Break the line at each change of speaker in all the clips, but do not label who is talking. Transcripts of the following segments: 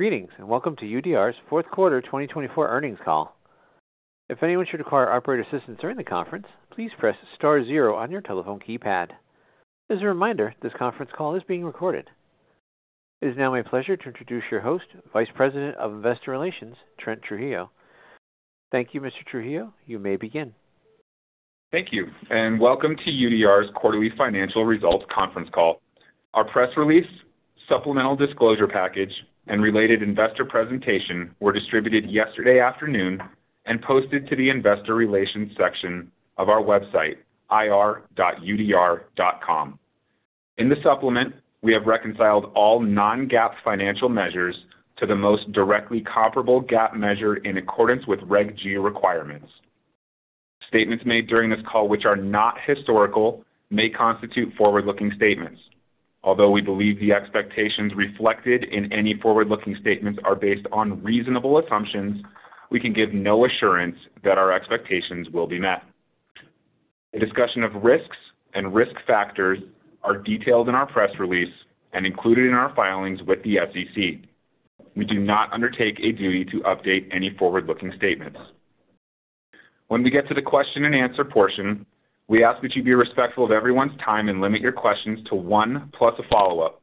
Greetings, and welcome to UDR's fourth quarter 2024 earnings call. If anyone should require operator assistance during the conference, please press star zero on your telephone keypad. As a reminder, this conference call is being recorded. It is now my pleasure to introduce your host, Vice President of Investor Relations, Trent Trujillo. Thank you, Mr. Trujillo. You may begin.
Thank you, and welcome to UDR's quarterly financial results conference call. Our press release, supplemental disclosure package, and related investor presentation were distributed yesterday afternoon and posted to the investor relations section of our website, ir.udr.com. In the supplement, we have reconciled all non-GAAP financial measures to the most directly comparable GAAP measure in accordance with Reg G requirements. Statements made during this call, which are not historical, may constitute forward-looking statements. Although we believe the expectations reflected in any forward-looking statements are based on reasonable assumptions, we can give no assurance that our expectations will be met. The discussion of risks and risk factors are detailed in our press release and included in our filings with the SEC. We do not undertake a duty to update any forward-looking statements. When we get to the question-and-answer portion, we ask that you be respectful of everyone's time and limit your questions to one plus a follow-up.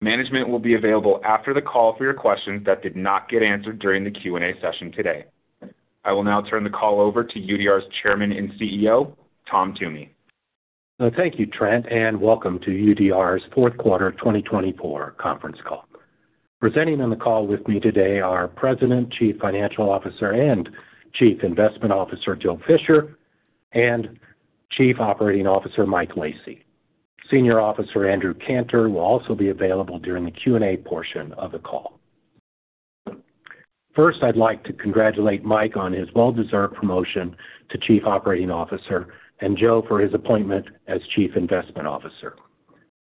Management will be available after the call for your questions that did not get answered during the Q&A session today. I will now turn the call over to UDR's Chairman and CEO, Tom Toomey.
Thank you, Trent, and welcome to UDR's fourth quarter 2024 conference call. Presenting on the call with me today are President, Chief Financial Officer, and Chief Investment Officer Joe Fisher, and Chief Operating Officer Mike Lacy. Senior Officer Andrew Cantor will also be available during the Q&A portion of the call. First, I'd like to congratulate Mike on his well-deserved promotion to Chief Operating Officer and Joe for his appointment as Chief Investment Officer.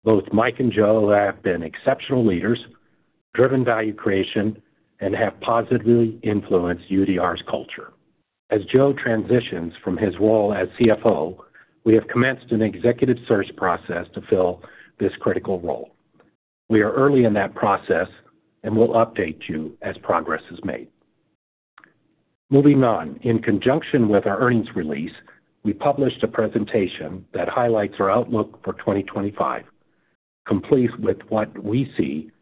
Both Mike and Joe have been exceptional leaders, driven value creation, and have positively influenced UDR's culture. As Joe transitions from his role as CFO, we have commenced an executive search process to fill this critical role. We are early in that process and will update you as progress is made. Moving on, in conjunction with our earnings release, we published a presentation that highlights our outlook for 2025, complete with what we see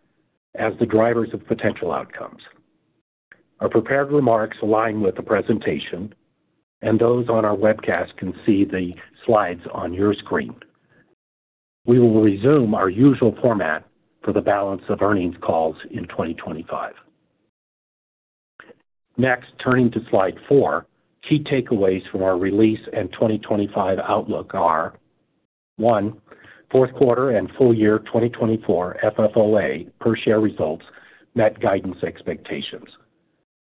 as the drivers of potential outcomes. Our prepared remarks align with the presentation, and those on our webcast can see the slides on your screen. We will resume our usual format for the balance of earnings calls in 2025. Next, turning to slide four, key takeaways from our release and 2025 outlook are: one, fourth quarter and full year 2024 FFOA per share results met guidance expectations,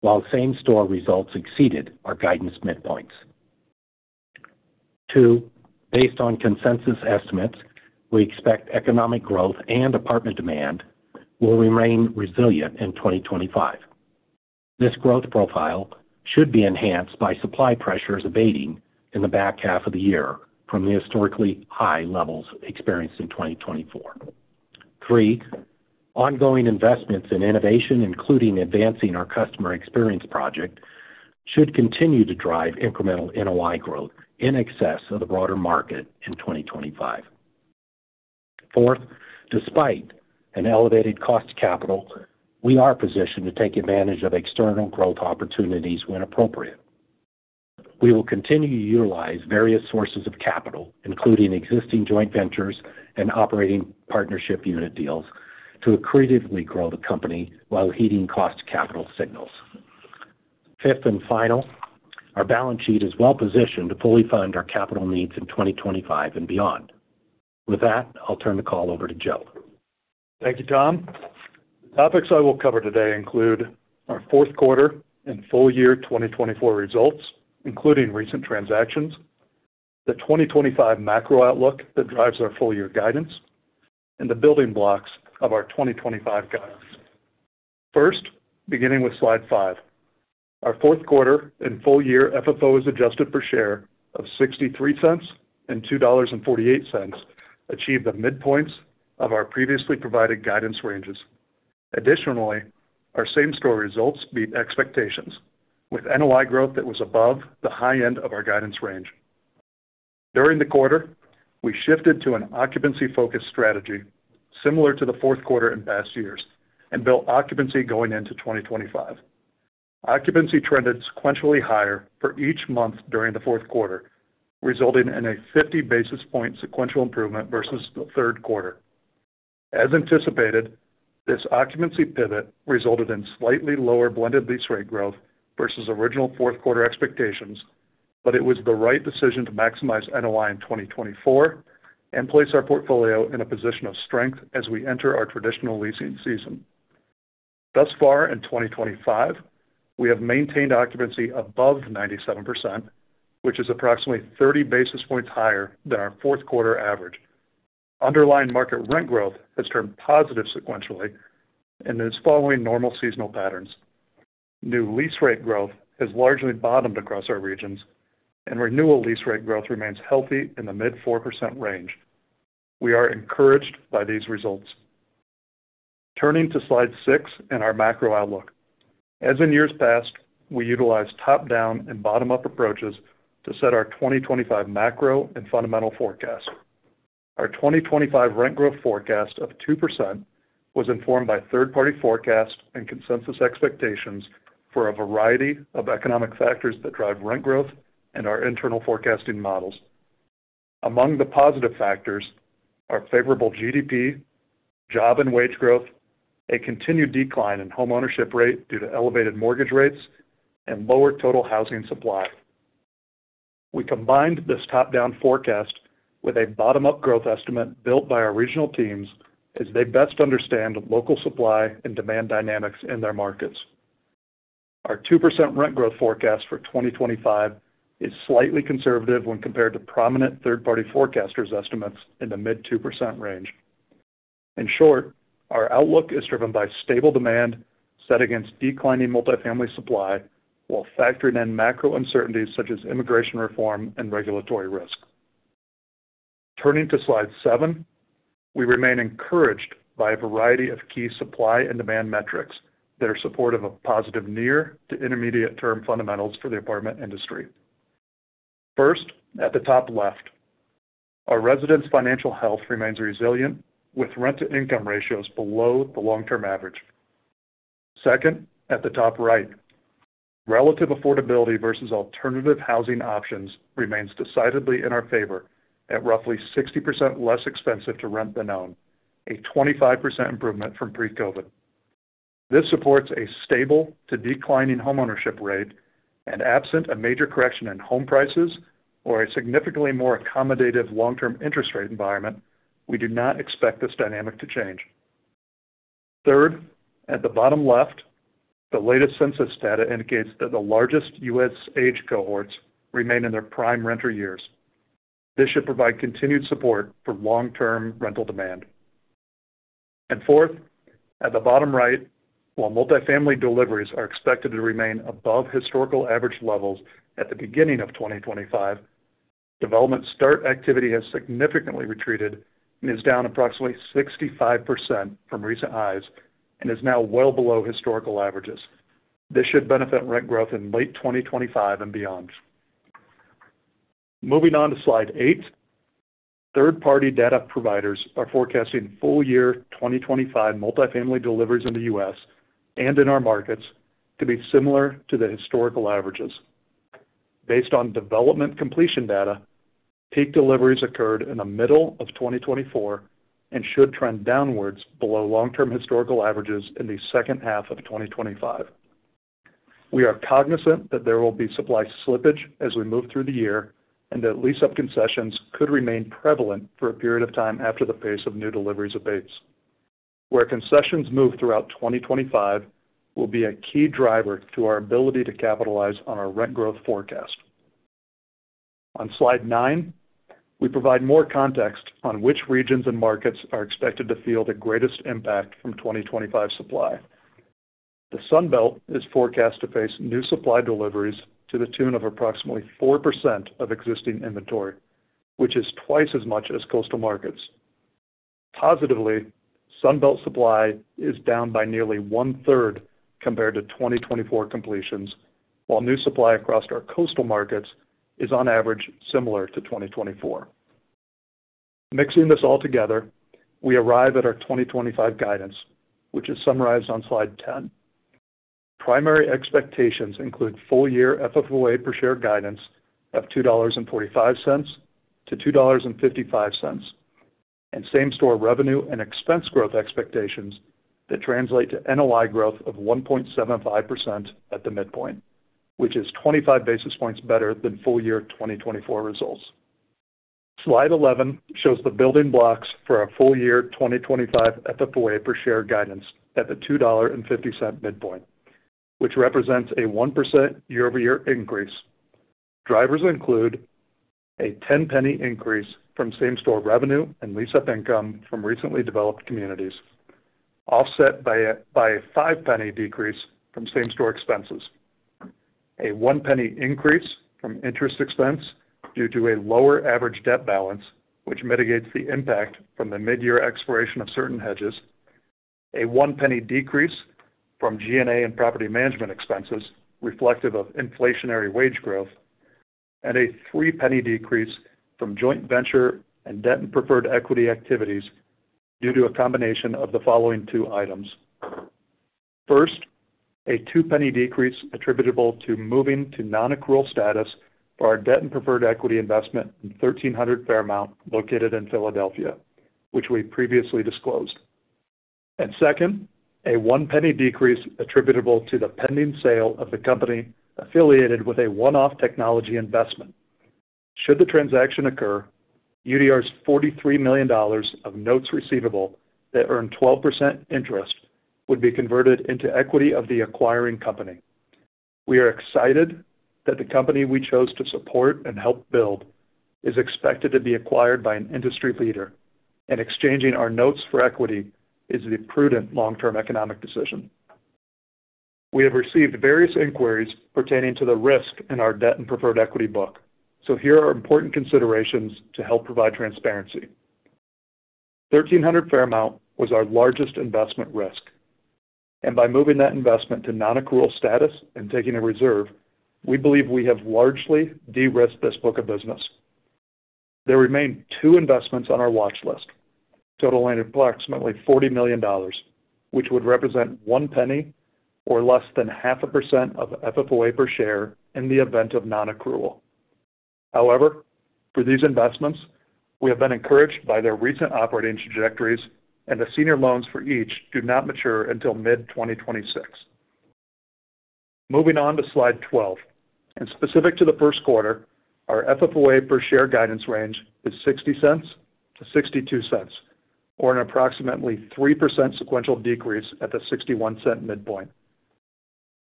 while same-store results exceeded our guidance midpoints. Two, based on consensus estimates, we expect economic growth and apartment demand will remain resilient in 2025. This growth profile should be enhanced by supply pressures abating in the back half of the year from the historically high levels experienced in 2024. Three, ongoing investments in innovation, including advancing our Customer Experience Project, should continue to drive incremental NOI growth in excess of the broader market in 2025. Fourth, despite an elevated cost of capital, we are positioned to take advantage of external growth opportunities when appropriate. We will continue to utilize various sources of capital, including existing joint ventures and operating partnership unit deals, to accretively grow the company while heeding cost of capital signals. Fifth and final, our balance sheet is well positioned to fully fund our capital needs in 2025 and beyond. With that, I'll turn the call over to Joe.
Thank you, Tom. The topics I will cover today include our fourth quarter and full year 2024 results, including recent transactions, the 2025 macro outlook that drives our full year guidance, and the building blocks of our 2025 guidance. First, beginning with slide five, our fourth quarter and full year FFOA as adjusted per share of $0.63 and $2.48 achieved the midpoints of our previously provided guidance ranges. Additionally, our same-store results beat expectations, with NOI growth that was above the high end of our guidance range. During the quarter, we shifted to an occupancy-focused strategy, similar to the fourth quarter in past years, and built occupancy going into 2025. Occupancy trended sequentially higher for each month during the fourth quarter, resulting in a 50 basis point sequential improvement versus the third quarter. As anticipated, this occupancy pivot resulted in slightly lower blended lease rate growth versus original fourth quarter expectations, but it was the right decision to maximize NOI in 2024 and place our portfolio in a position of strength as we enter our traditional leasing season. Thus far in 2025, we have maintained occupancy above 97%, which is approximately 30 basis points higher than our fourth quarter average. Underlying market rent growth has turned positive sequentially and is following normal seasonal patterns. New lease rate growth has largely bottomed across our regions, and renewal lease rate growth remains healthy in the mid-4% range. We are encouraged by these results. Turning to slide six in our macro outlook. As in years past, we utilize top-down and bottom-up approaches to set our 2025 macro and fundamental forecast. Our 2025 rent growth forecast of 2% was informed by third-party forecasts and consensus expectations for a variety of economic factors that drive rent growth and our internal forecasting models. Among the positive factors are favorable GDP, job and wage growth, a continued decline in homeownership rate due to elevated mortgage rates, and lower total housing supply. We combined this top-down forecast with a bottom-up growth estimate built by our regional teams as they best understand local supply and demand dynamics in their markets. Our 2% rent growth forecast for 2025 is slightly conservative when compared to prominent third-party forecasters' estimates in the mid 2% range. In short, our outlook is driven by stable demand set against declining multifamily supply while factoring in macro uncertainties such as immigration reform and regulatory risk. Turning to slide seven, we remain encouraged by a variety of key supply and demand metrics that are supportive of positive near- to intermediate-term fundamentals for the apartment industry. First, at the top left, our residents' financial health remains resilient with rent-to-income ratios below the long-term average. Second, at the top right, relative affordability versus alternative housing options remains decidedly in our favor at roughly 60% less expensive to rent than owning, a 25% improvement from pre-COVID. This supports a stable to declining homeownership rate, and absent a major correction in home prices or a significantly more accommodative long-term interest rate environment, we do not expect this dynamic to change. Third, at the bottom left, the latest census data indicates that the largest U.S. age cohorts remain in their prime renter years. This should provide continued support for long-term rental demand. Fourth, at the bottom right, while multifamily deliveries are expected to remain above historical average levels at the beginning of 2025, development start activity has significantly retreated and is down approximately 65% from recent highs and is now well below historical averages. This should benefit rent growth in late 2025 and beyond. Moving on to slide eight, third-party data providers are forecasting full year 2025 multifamily deliveries in the U.S. and in our markets to be similar to the historical averages. Based on development completion data, peak deliveries occurred in the middle of 2024 and should trend downwards below long-term historical averages in the second half of 2025. We are cognizant that there will be supply slippage as we move through the year and that lease-up concessions could remain prevalent for a period of time after the pace of new deliveries abates. Where concessions move throughout 2025 will be a key driver to our ability to capitalize on our rent growth forecast. On slide nine, we provide more context on which regions and markets are expected to feel the greatest impact from 2025 supply. The Sunbelt is forecast to face new supply deliveries to the tune of approximately 4% of existing inventory, which is twice as much as coastal markets. Positively, Sunbelt supply is down by nearly one-third compared to 2024 completions, while new supply across our coastal markets is on average similar to 2024. Mixing this all together, we arrive at our 2025 guidance, which is summarized on slide 10. Primary expectations include full year FFOA per share guidance of $2.45 - $2.55 and same-store revenue and expense growth expectations that translate to NOI growth of 1.75% at the midpoint, which is 25 basis points better than full year 2024 results. Slide 11 shows the building blocks for our full year 2025 FFOA per share guidance at the $2.50 midpoint, which represents a 1% year-over-year increase. Drivers include a $0.10 increase from same-store revenue and lease-up income from recently developed communities, offset by a $0.05 decrease from same-store expenses, a $0.01 increase from interest expense due to a lower average debt balance, which mitigates the impact from the mid-year expiration of certain hedges, a $0.01 decrease from G&A and property management expenses reflective of inflationary wage growth, and a $0.03 decrease from joint venture and debt and preferred equity activities due to a combination of the following two items. First, a $0.02 decrease attributable to moving to non-accrual status for our debt and preferred equity investment in 1300 Fairmount located in Philadelphia, which we previously disclosed. Second, a one-penny decrease attributable to the pending sale of the company affiliated with a one-off technology investment. Should the transaction occur, UDR's $43 million of notes receivable that earn 12% interest would be converted into equity of the acquiring company. We are excited that the company we chose to support and help build is expected to be acquired by an industry leader, and exchanging our notes for equity is the prudent long-term economic decision. We have received various inquiries pertaining to the risk in our debt and preferred equity book, so here are important considerations to help provide transparency. 1300 Fairmount was our largest investment risk, and by moving that investment to non-accrual status and taking a reserve, we believe we have largely de-risked this book of business. There remain two investments on our watch list, totaling approximately $40 million, which would represent 1 penny or less than 0.5% of FFOA per share in the event of non-accrual. However, for these investments, we have been encouraged by their recent operating trajectories, and the senior loans for each do not mature until mid-2026. Moving on to slide 12, and specific to the first quarter, our FFOA per share guidance range is 60-62 cents, or an approximately 3% sequential decrease at the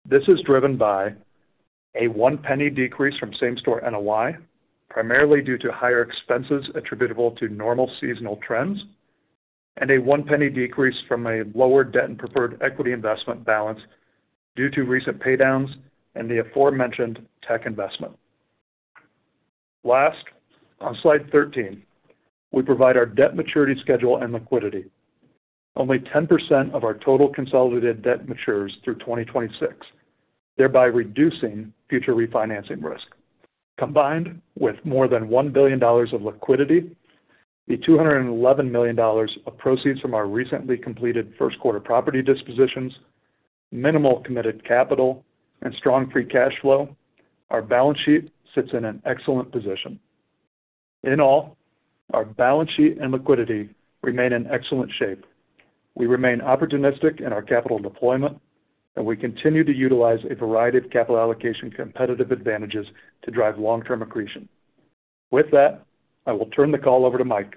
61-cent midpoint. This is driven by a 1-penny decrease from same-store NOI, primarily due to higher expenses attributable to normal seasonal trends, and a 1-penny decrease from a lower debt and preferred equity investment balance due to recent paydowns and the aforementioned tech investment. Last, on slide 13, we provide our debt maturity schedule and liquidity. Only 10% of our total consolidated debt matures through 2026, thereby reducing future refinancing risk. Combined with more than $1 billion of liquidity, the $211 million of proceeds from our recently completed first quarter property dispositions, minimal committed capital, and strong free cash flow, our balance sheet sits in an excellent position. In all, our balance sheet and liquidity remain in excellent shape. We remain opportunistic in our capital deployment, and we continue to utilize a variety of capital allocation competitive advantages to drive long-term accretion. With that, I will turn the call over to Mike.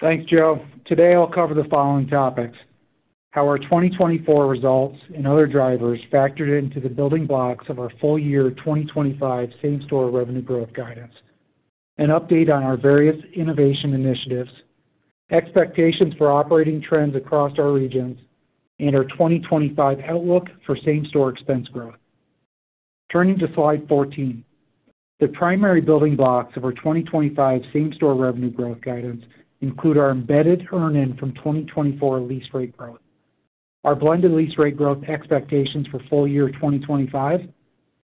Thanks, Joe. Today, I'll cover the following topics: how our 2024 results and other drivers factored into the building blocks of our full year 2025 same-store revenue growth guidance, an update on our various innovation initiatives, expectations for operating trends across our regions, and our 2025 outlook for same-store expense growth. Turning to slide 14, the primary building blocks of our 2025 same-store revenue growth guidance include our embedded earn-in from 2024 lease rate growth, our blended lease rate growth expectations for full year 2025,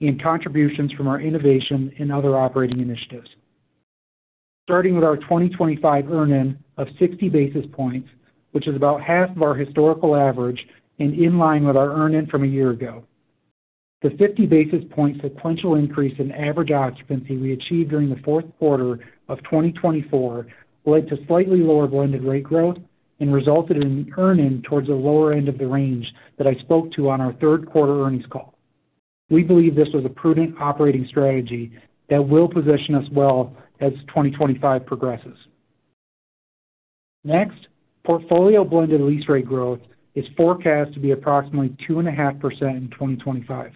and contributions from our innovation and other operating initiatives. Starting with our 2025 earn-in of 60 basis points, which is about half of our historical average and in line with our earn-in from a year ago. The 50 basis points sequential increase in average occupancy we achieved during the fourth quarter of 2024 led to slightly lower blended rate growth and resulted in earn-in towards the lower end of the range that I spoke to on our third quarter earnings call. We believe this was a prudent operating strategy that will position us well as 2025 progresses. Next, portfolio blended lease rate growth is forecast to be approximately 2.5% in 2025.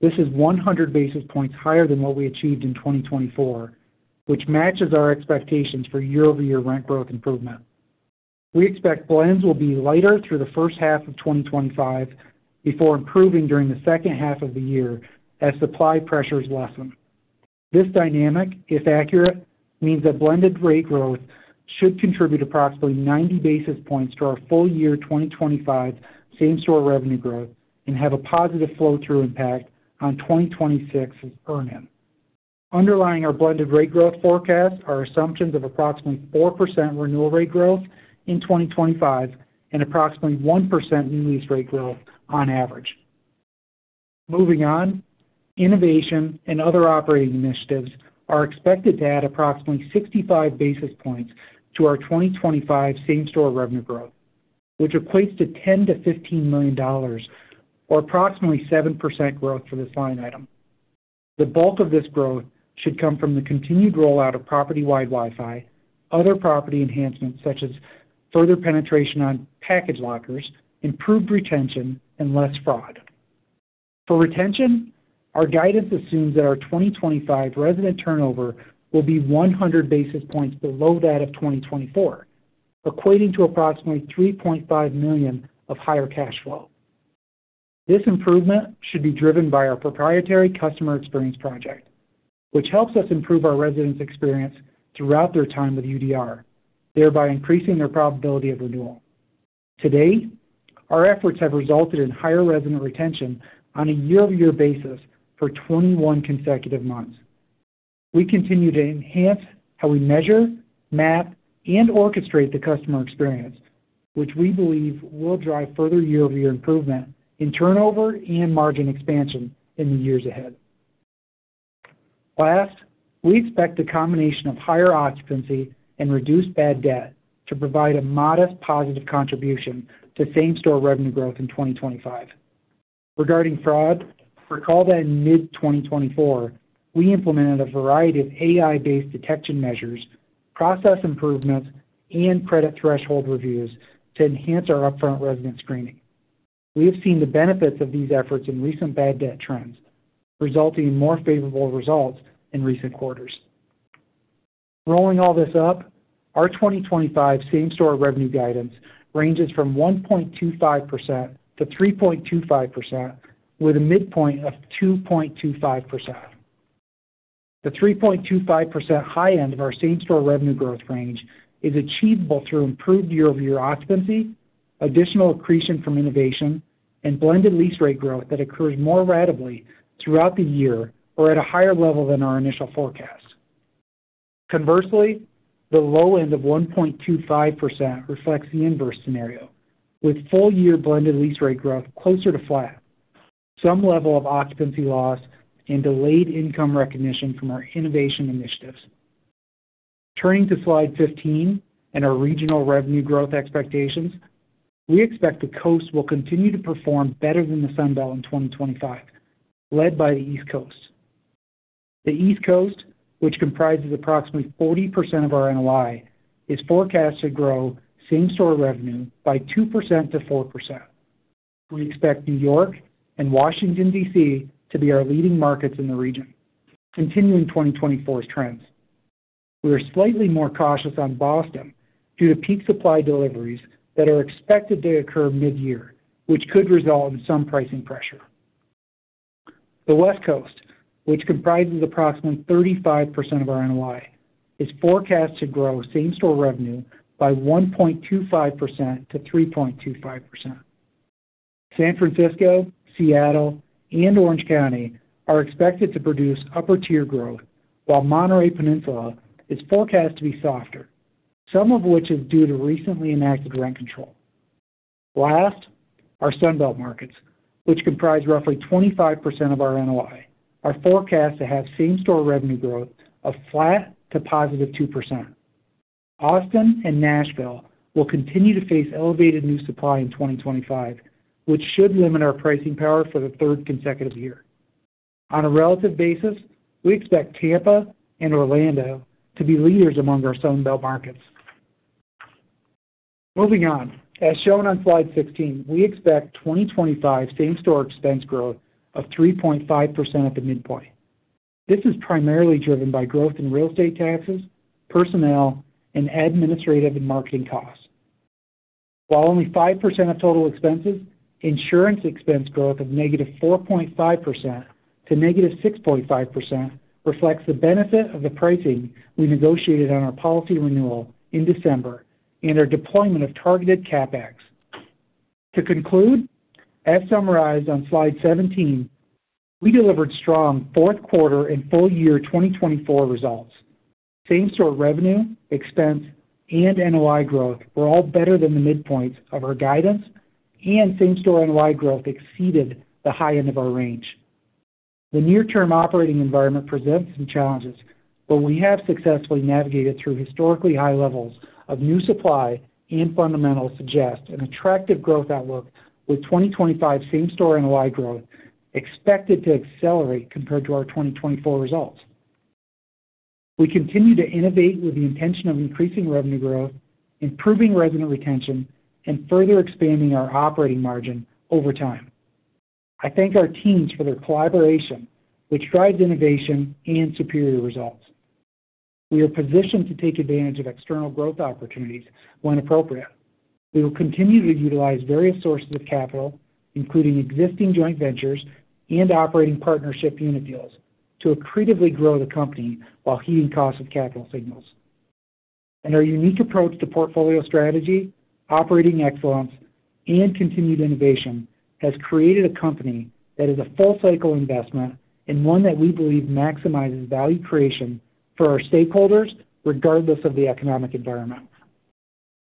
This is 100 basis points higher than what we achieved in 2024, which matches our expectations for year-over-year rent growth improvement. We expect blends will be lighter through the first half of 2025 before improving during the second half of the year as supply pressures lessen. This dynamic, if accurate, means that blended rate growth should contribute approximately 90 basis points to our full year 2025 same-store revenue growth and have a positive flow-through impact on 2026's earn-in. Underlying our blended rate growth forecast are assumptions of approximately 4% renewal rate growth in 2025 and approximately 1% new lease rate growth on average. Moving on, innovation and other operating initiatives are expected to add approximately 65 basis points to our 2025 same-store revenue growth, which equates to $10-$15 million, or approximately 7% growth for this line item. The bulk of this growth should come from the continued rollout of property-wide Wi-Fi, other property enhancements such as further penetration on package lockers, improved retention, and less fraud. For retention, our guidance assumes that our 2025 resident turnover will be 100 basis points below that of 2024, equating to approximately $3.5 million of higher cash flow. This improvement should be driven by our proprietary customer experience project, which helps us improve our residents' experience throughout their time with UDR, thereby increasing their probability of renewal. Today, our efforts have resulted in higher resident retention on a year-over-year basis for 21 consecutive months. We continue to enhance how we measure, map, and orchestrate the customer experience, which we believe will drive further year-over-year improvement in turnover and margin expansion in the years ahead. Last, we expect a combination of higher occupancy and reduced bad debt to provide a modest positive contribution to same-store revenue growth in 2025. Regarding fraud, recall that in mid-2024, we implemented a variety of AI-based detection measures, process improvements, and credit threshold reviews to enhance our upfront resident screening. We have seen the benefits of these efforts in recent bad debt trends, resulting in more favorable results in recent quarters. Rolling all this up, our 2025 same-store revenue guidance ranges from 1.25%-3.25%, with a midpoint of 2.25%. The 3.25% high end of our same-store revenue growth range is achievable through improved year-over-year occupancy, additional accretion from innovation, and blended lease rate growth that occurs more readily throughout the year or at a higher level than our initial forecast. Conversely, the low end of 1.25% reflects the inverse scenario, with full year blended lease rate growth closer to flat, some level of occupancy loss, and delayed income recognition from our innovation initiatives. Turning to slide 15 and our regional revenue growth expectations, we expect the Coast will continue to perform better than the Sunbelt in 2025, led by the East Coast. The East Coast, which comprises approximately 40% of our NOI, is forecast to grow same-store revenue by 2%-4%. We expect New York and Washington, D.C., to be our leading markets in the region, continuing 2024's trends. We are slightly more cautious on Boston due to peak supply deliveries that are expected to occur mid-year, which could result in some pricing pressure. The West Coast, which comprises approximately 35% of our NOI, is forecast to grow same-store revenue by 1.25%-3.25%. San Francisco, Seattle, and Orange County are expected to produce upper-tier growth, while Monterey Peninsula is forecast to be softer, some of which is due to recently enacted rent control. Last, our Sunbelt markets, which comprise roughly 25% of our NOI, are forecast to have same-store revenue growth of flat to positive 2%. Austin and Nashville will continue to face elevated new supply in 2025, which should limit our pricing power for the third consecutive year. On a relative basis, we expect Tampa and Orlando to be leaders among our Sunbelt markets. Moving on, as shown on slide 16, we expect 2025 same-store expense growth of 3.5% at the midpoint. This is primarily driven by growth in real estate taxes, personnel, and administrative and marketing costs. While only 5% of total expenses, insurance expense growth of -4.5% to -6.5% reflects the benefit of the pricing we negotiated on our policy renewal in December and our deployment of targeted CapEx. To conclude, as summarized on slide 17, we delivered strong fourth quarter and full year 2024 results. Same-store revenue, expense, and NOI growth were all better than the midpoints of our guidance, and same-store NOI growth exceeded the high end of our range. The near-term operating environment presents some challenges, but we have successfully navigated through historically high levels of new supply and fundamentals suggest an attractive growth outlook with 2025 same-store NOI growth expected to accelerate compared to our 2024 results. We continue to innovate with the intention of increasing revenue growth, improving resident retention, and further expanding our operating margin over time. I thank our teams for their collaboration, which drives innovation and superior results. We are positioned to take advantage of external growth opportunities when appropriate. We will continue to utilize various sources of capital, including existing joint ventures and operating partnership unit deals, to accretively grow the company while heeding costs of capital signals. Our unique approach to portfolio strategy, operating excellence, and continued innovation has created a company that is a full-cycle investment and one that we believe maximizes value creation for our stakeholders, regardless of the economic environment.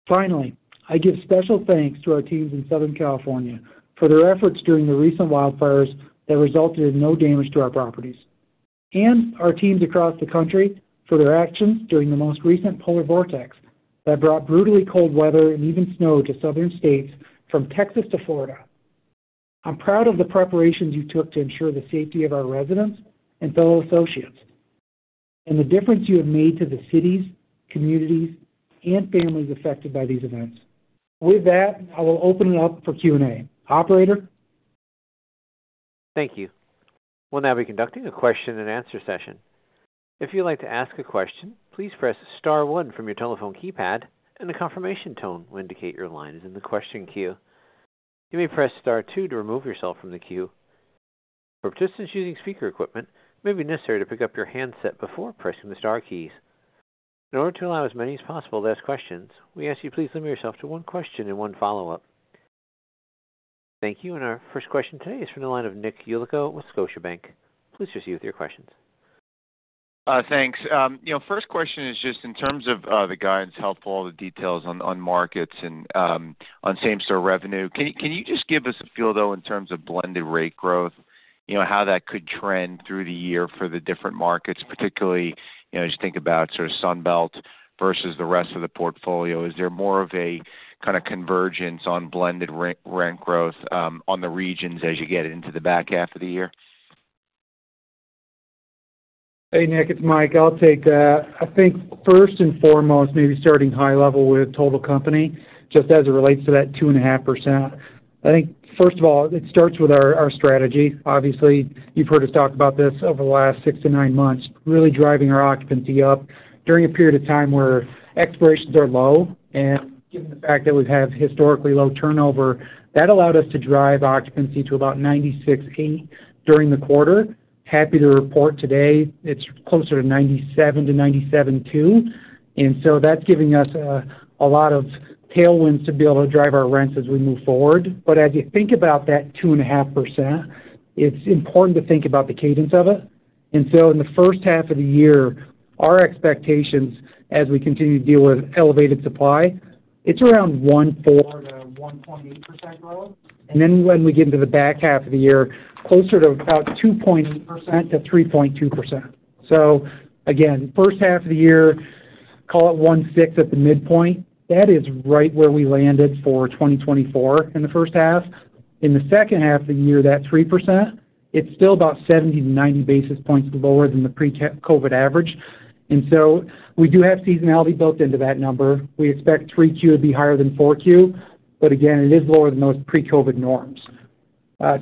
Finally, I give special thanks to our teams in Southern California for their efforts during the recent wildfires that resulted in no damage to our properties, and our teams across the country for their actions during the most recent polar vortex that brought brutally cold weather and even snow to southern states from Texas to Florida. I'm proud of the preparations you took to ensure the safety of our residents and fellow associates and the difference you have made to the cities, communities, and families affected by these events. With that, I will open it up for Q&A. Operator?
Thank you. We'll now be conducting a question-and-answer session. If you'd like to ask a question, please press star one from your telephone keypad, and a confirmation tone will indicate your line is in the question queue. You may press star two to remove yourself from the queue. For participants using speaker equipment, it may be necessary to pick up your handset before pressing the star keys. In order to allow as many as possible to ask questions, we ask you please limit yourself to one question and one follow-up. Thank you, and our first question today is from the line of Nick Yulico with Scotiabank. Please proceed with your questions.
Thanks. First question is just in terms of the guidance. Helpful, all the details on markets and on same-store revenue. Can you just give us a feel, though, in terms of blended rate growth, how that could trend through the year for the different markets, particularly as you think about sort of Sunbelt versus the rest of the portfolio? Is there more of a kind of convergence on blended rent growth on the regions as you get into the back half of the year?
Hey, Nick, it's Mike. I'll take that. I think first and foremost, maybe starting high level with total company, just as it relates to that 2.5%. I think, first of all, it starts with our strategy. Obviously, you've heard us talk about this over the last six to nine months, really driving our occupancy up during a period of time where expirations are low, and given the fact that we've had historically low turnover, that allowed us to drive occupancy to about 96.8% during the quarter. Happy to report today, it's closer to 97-97.2%. And so that's giving us a lot of tailwinds to be able to drive our rents as we move forward, but as you think about that 2.5%, it's important to think about the cadence of it. And so in the first half of the year, our expectations, as we continue to deal with elevated supply, it's around 1.4%-1.8% growth. And then when we get into the back half of the year, closer to about 2.8%-3.2%. So again, first half of the year, call it 1.6% at the midpoint, that is right where we landed for 2024 in the first half. In the second half of the year, that 3%, it's still about 70-90 basis points lower than the pre-COVID average. And so we do have seasonality built into that number. We expect 3Q to be higher than 4Q, but again, it is lower than those pre-COVID norms.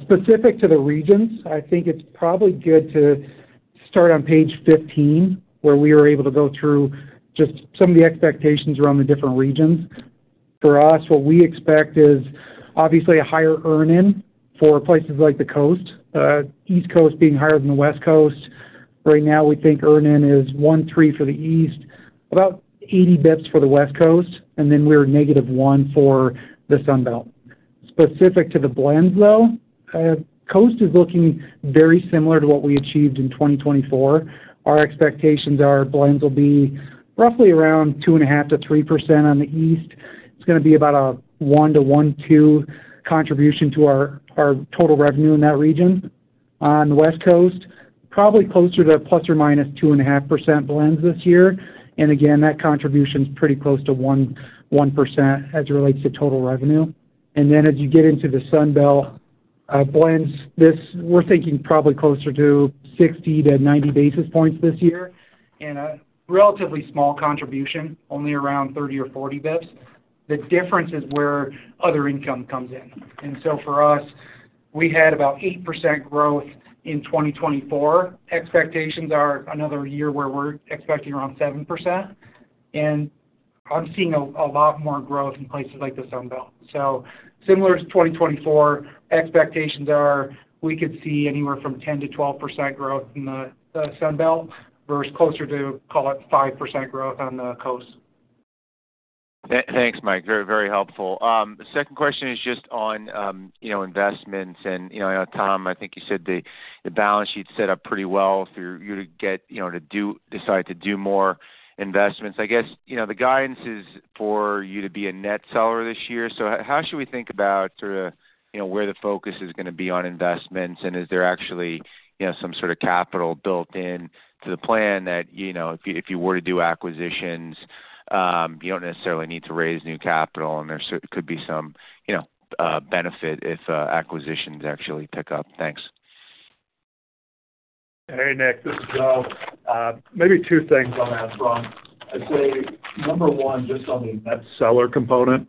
Specific to the regions, I think it's probably good to start on page 15, where we were able to go through just some of the expectations around the different regions. For us, what we expect is obviously a higher earn-in for places like the coast, the East Coast being higher than the West Coast. Right now, we think earn-in is 1.3% for the East, about 80 basis points for the West Coast, and then we're negative 1% for the Sunbelt. Specific to the blends, though, coast is looking very similar to what we achieved in 2024. Our expectations are blends will be roughly around 2.5%-3% on the East. It's going to be about a 1%-1.2% contribution to our total revenue in that region. On the West Coast, probably closer to plus or minus 2.5% blends this year. And again, that contribution is pretty close to 1% as it relates to total revenue. And then as you get into the Sunbelt blends, we're thinking probably closer to 60-90 basis points this year and a relatively small contribution, only around 30 or 40 basis points. The difference is where other income comes in. And so for us, we had about 8% growth in 2024. Expectations are another year where we're expecting around 7%. And I'm seeing a lot more growth in places like the Sunbelt. So similar to 2024, expectations are we could see anywhere from 10%-12% growth in the Sunbelt versus closer to, call it, 5% growth on the coast.
Thanks, Mike. Very, very helpful. Second question is just on investments. And Tom, I think you said the balance sheet set up pretty well for you to decide to do more investments. I guess the guidance is for you to be a net seller this year. So how should we think about sort of where the focus is going to be on investments? And is there actually some sort of capital built into the plan that if you were to do acquisitions, you don't necessarily need to raise new capital, and there could be some benefit if acquisitions actually pick up? Thanks.
Hey, Nick, this is Joe. Maybe two things I'll ask wrong. I'd say number one, just on the net seller component,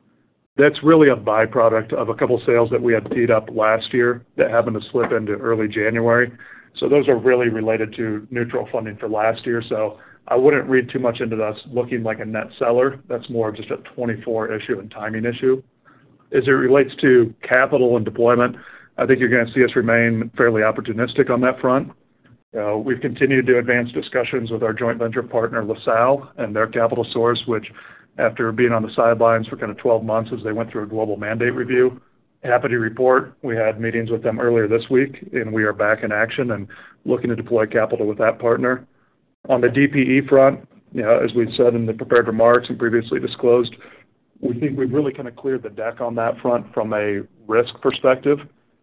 that's really a byproduct of a couple of sales that we had beat up last year that happened to slip into early January. So those are really related to neutral funding for last year. So I wouldn't read too much into us looking like a net seller. That's more just a 2024 issue and timing issue. As it relates to capital and deployment, I think you're going to see us remain fairly opportunistic on that front. We've continued to advance discussions with our joint venture partner, LaSalle, and their capital source, which, after being on the sidelines for kind of 12 months as they went through a global mandate review, happy to report we had meetings with them earlier this week, and we are back in action and looking to deploy capital with that partner. On the DPE front, as we've said in the prepared remarks and previously disclosed, we think we've really kind of cleared the deck on that front from a risk perspective,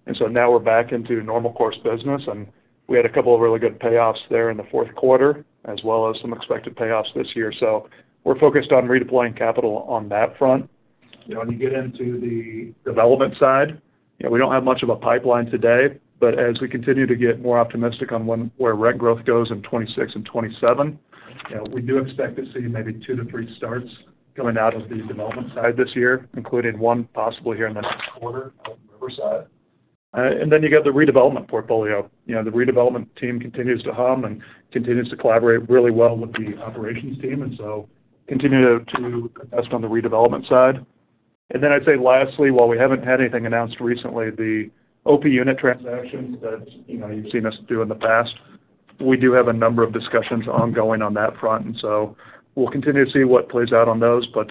and so now we're back into normal course business, and we had a couple of really good payoffs there in the fourth quarter, as well as some expected payoffs this year, so we're focused on redeploying capital on that front. When you get into the development side, we don't have much of a pipeline today, but as we continue to get more optimistic on where rent growth goes in 2026 and 2027, we do expect to see maybe two to three starts coming out of the development side this year, including one possible here in the next quarter out of Riverside. And then you got the redevelopment portfolio. The redevelopment team continues to hum and continues to collaborate really well with the operations team, and so continue to invest on the redevelopment side. And then I'd say lastly, while we haven't had anything announced recently, the OP unit transactions that you've seen us do in the past, we do have a number of discussions ongoing on that front. We'll continue to see what plays out on those, but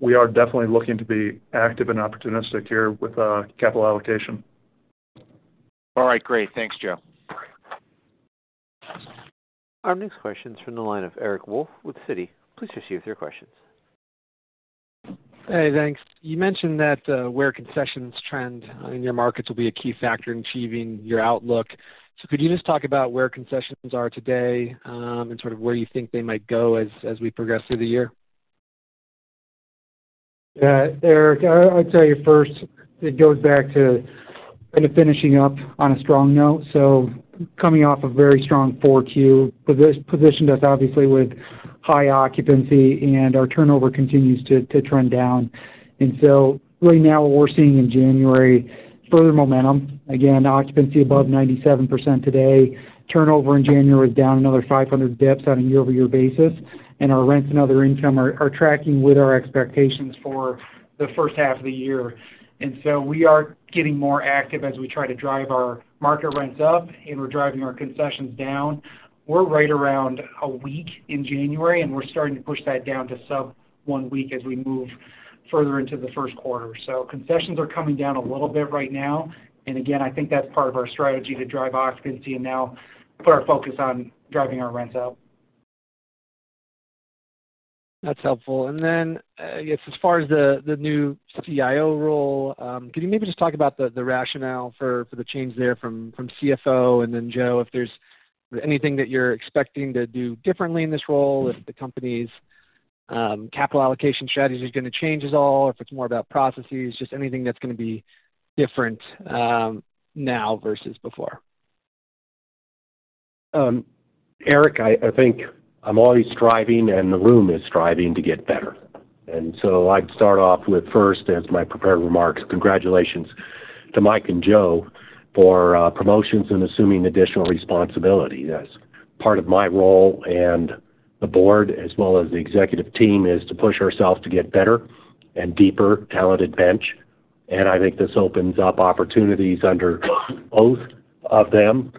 we are definitely looking to be active and opportunistic here with capital allocation.
All right. Great. Thanks, Joe.
Our next question is from the line of Eric Wolfe with Citi. Please proceed with your questions.
Hey, thanks. You mentioned that where concessions trend in your markets will be a key factor in achieving your outlook. So could you just talk about where concessions are today and sort of where you think they might go as we progress through the year?
Eric, I'd say first, it goes back to kind of finishing up on a strong note. So coming off a very strong 4Q positioned us, obviously, with high occupancy, and our turnover continues to trend down. And so right now, what we're seeing in January, further momentum. Again, occupancy above 97% today. Turnover in January is down another 500 basis points on a year-over-year basis. And our rents and other income are tracking with our expectations for the first half of the year. And so we are getting more active as we try to drive our market rents up, and we're driving our concessions down. We're right around a week in January, and we're starting to push that down to sub one week as we move further into the first quarter. So concessions are coming down a little bit right now. Again, I think that's part of our strategy to drive occupancy and now put our focus on driving our rents up.
That's helpful. And then, I guess, as far as the new CIO role, can you maybe just talk about the rationale for the change there from CFO? And then, Joe, if there's anything that you're expecting to do differently in this role, if the company's capital allocation strategy is going to change at all, if it's more about processes, just anything that's going to be different now versus before?
Eric, I think I'm always striving, and the room is striving to get better. And so I'd start off with first, as my prepared remarks, congratulations to Mike and Joe for promotions and assuming additional responsibility. That's part of my role and the board, as well as the executive team, is to push ourselves to get better and deeper talented bench. And I think this opens up opportunities for both of them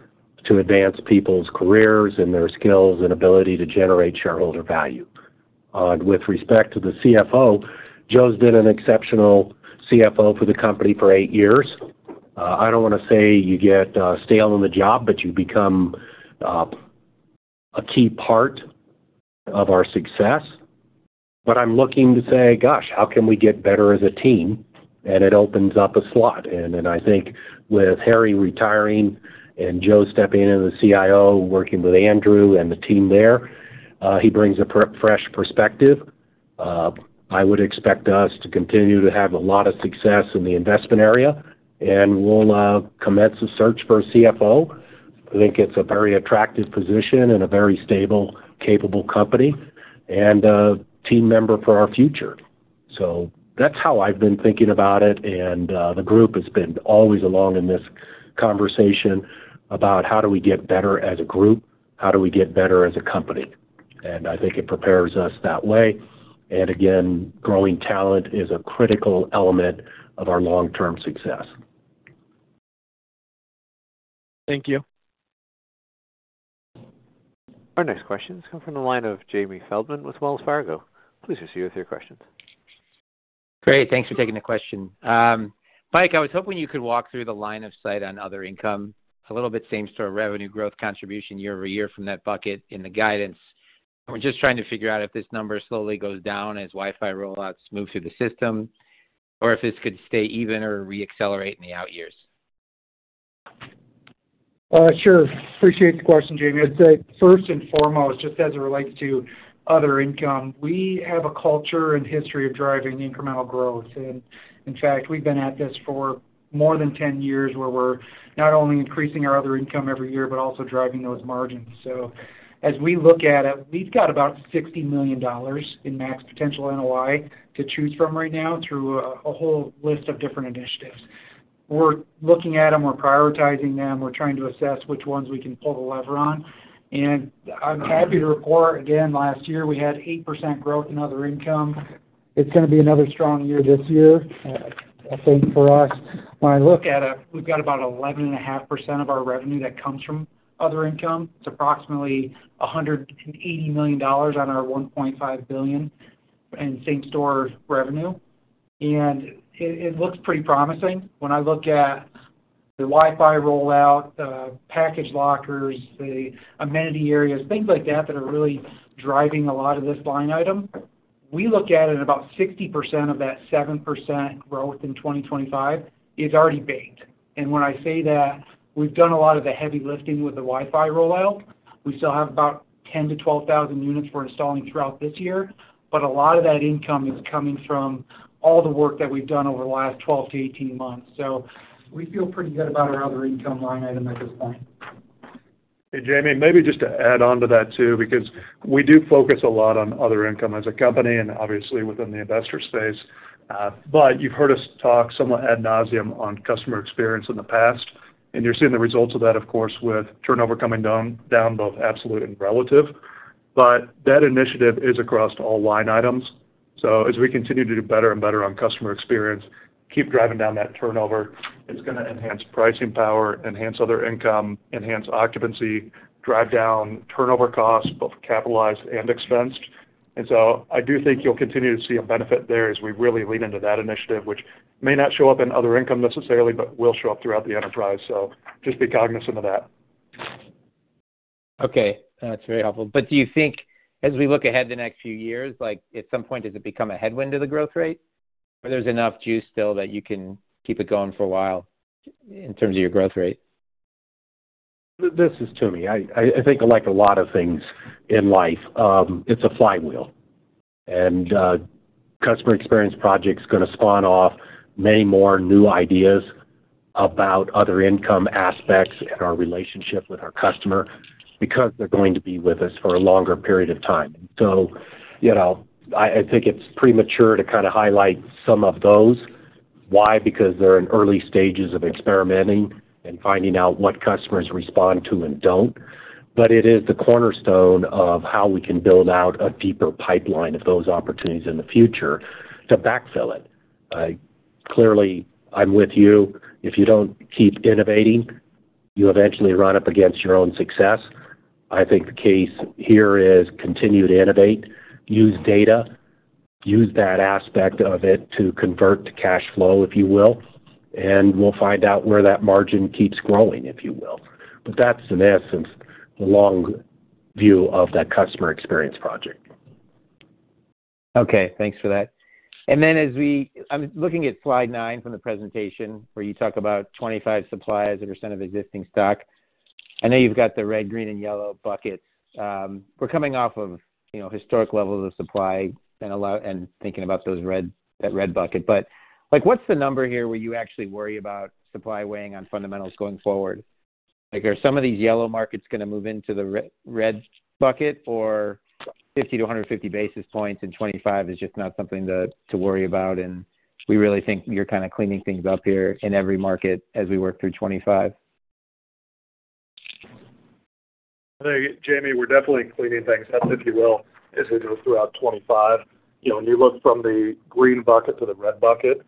to advance people's careers and their skills and ability to generate shareholder value. And with respect to the CFO, Joe's been an exceptional CFO for the company for eight years. I don't want to say you get stale in the job, but you become a key part of our success. But I'm looking to say, gosh, how can we get better as a team? And it opens up a slot. I think with Harry retiring and Joe stepping in as the CIO, working with Andrew and the team there, he brings a fresh perspective. I would expect us to continue to have a lot of success in the investment area, and we'll commence a search for a CFO. I think it's a very attractive position in a very stable, capable company and a team member for our future. That's how I've been thinking about it. The group has been always along in this conversation about how do we get better as a group, how do we get better as a company. I think it prepares us that way. Again, growing talent is a critical element of our long-term success.
Thank you.
Our next question has come from the line of Jamie Feldman with Wells Fargo. Please proceed with your questions.
Great. Thanks for taking the question. Mike, I was hoping you could walk through the line of sight on other income, a little bit same-store revenue growth contribution year over year from that bucket in the guidance. We're just trying to figure out if this number slowly goes down as Wi-Fi rollouts move through the system, or if this could stay even or re-accelerate in the out years.
Sure. Appreciate the question, Jamie. I'd say first and foremost, just as it relates to other income, we have a culture and history of driving incremental growth. And in fact, we've been at this for more than 10 years where we're not only increasing our other income every year, but also driving those margins. So as we look at it, we've got about $60 million in max potential NOI to choose from right now through a whole list of different initiatives. We're looking at them. We're prioritizing them. We're trying to assess which ones we can pull the lever on. And I'm happy to report, again, last year we had 8% growth in other income. It's going to be another strong year this year, I think, for us. When I look at it, we've got about 11.5% of our revenue that comes from other income. It's approximately $180 million on our $1.5 billion in same-store revenue. It looks pretty promising. When I look at the Wi-Fi rollout, the package lockers, the amenity areas, things like that that are really driving a lot of this line item, we look at it at about 60% of that 7% growth in 2025 is already baked. When I say that, we've done a lot of the heavy lifting with the Wi-Fi rollout. We still have about 10,000-12,000 units we're installing throughout this year, but a lot of that income is coming from all the work that we've done over the last 12-18 months. We feel pretty good about our other income line item at this point.
Hey, Jamie, maybe just to add on to that too, because we do focus a lot on other income as a company and obviously within the investor space. But you've heard us talk somewhat ad nauseam on customer experience in the past. And you're seeing the results of that, of course, with turnover coming down, both absolute and relative. But that initiative is across all line items. So as we continue to do better and better on customer experience, keep driving down that turnover, it's going to enhance pricing power, enhance other income, enhance occupancy, drive down turnover costs, both capitalized and expensed. And so I do think you'll continue to see a benefit there as we really lean into that initiative, which may not show up in other income necessarily, but will show up throughout the enterprise. So just be cognizant of that.
Okay. That's very helpful. But do you think, as we look ahead to the next few years, at some point, does it become a headwind to the growth rate, or there's enough juice still that you can keep it going for a while in terms of your growth rate?
This is Toomey. I think, like a lot of things in life, it's a flywheel. And Customer Experience Projects are going to spawn off many more new ideas about other income aspects and our relationship with our customer because they're going to be with us for a longer period of time. And so I think it's premature to kind of highlight some of those. Why? Because they're in early stages of experimenting and finding out what customers respond to and don't. But it is the cornerstone of how we can build out a deeper pipeline of those opportunities in the future to backfill it. Clearly, I'm with you. If you don't keep innovating, you eventually run up against your own success. I think the case here is continue to innovate, use data, use that aspect of it to convert to cash flow, if you will. We'll find out where that margin keeps growing, if you will. But that's, in essence, the long view of that Customer Experience Project.
Okay. Thanks for that. And then as we're looking at slide nine from the presentation where you talk about supply as a percent of existing stock. I know you've got the red, green, and yellow buckets. We're coming off of historic levels of supply and thinking about that red bucket. But what's the number here where you actually worry about supply weighing on fundamentals going forward? Are some of these yellow markets going to move into the red bucket, or 50-150 basis points and 2025 is just not something to worry about? And we really think you're kind of cleaning things up here in every market as we work through 2025.
Hey, Jamie, we're definitely cleaning things up, if you will, as we go throughout 2025. When you look from the green bucket to the red bucket,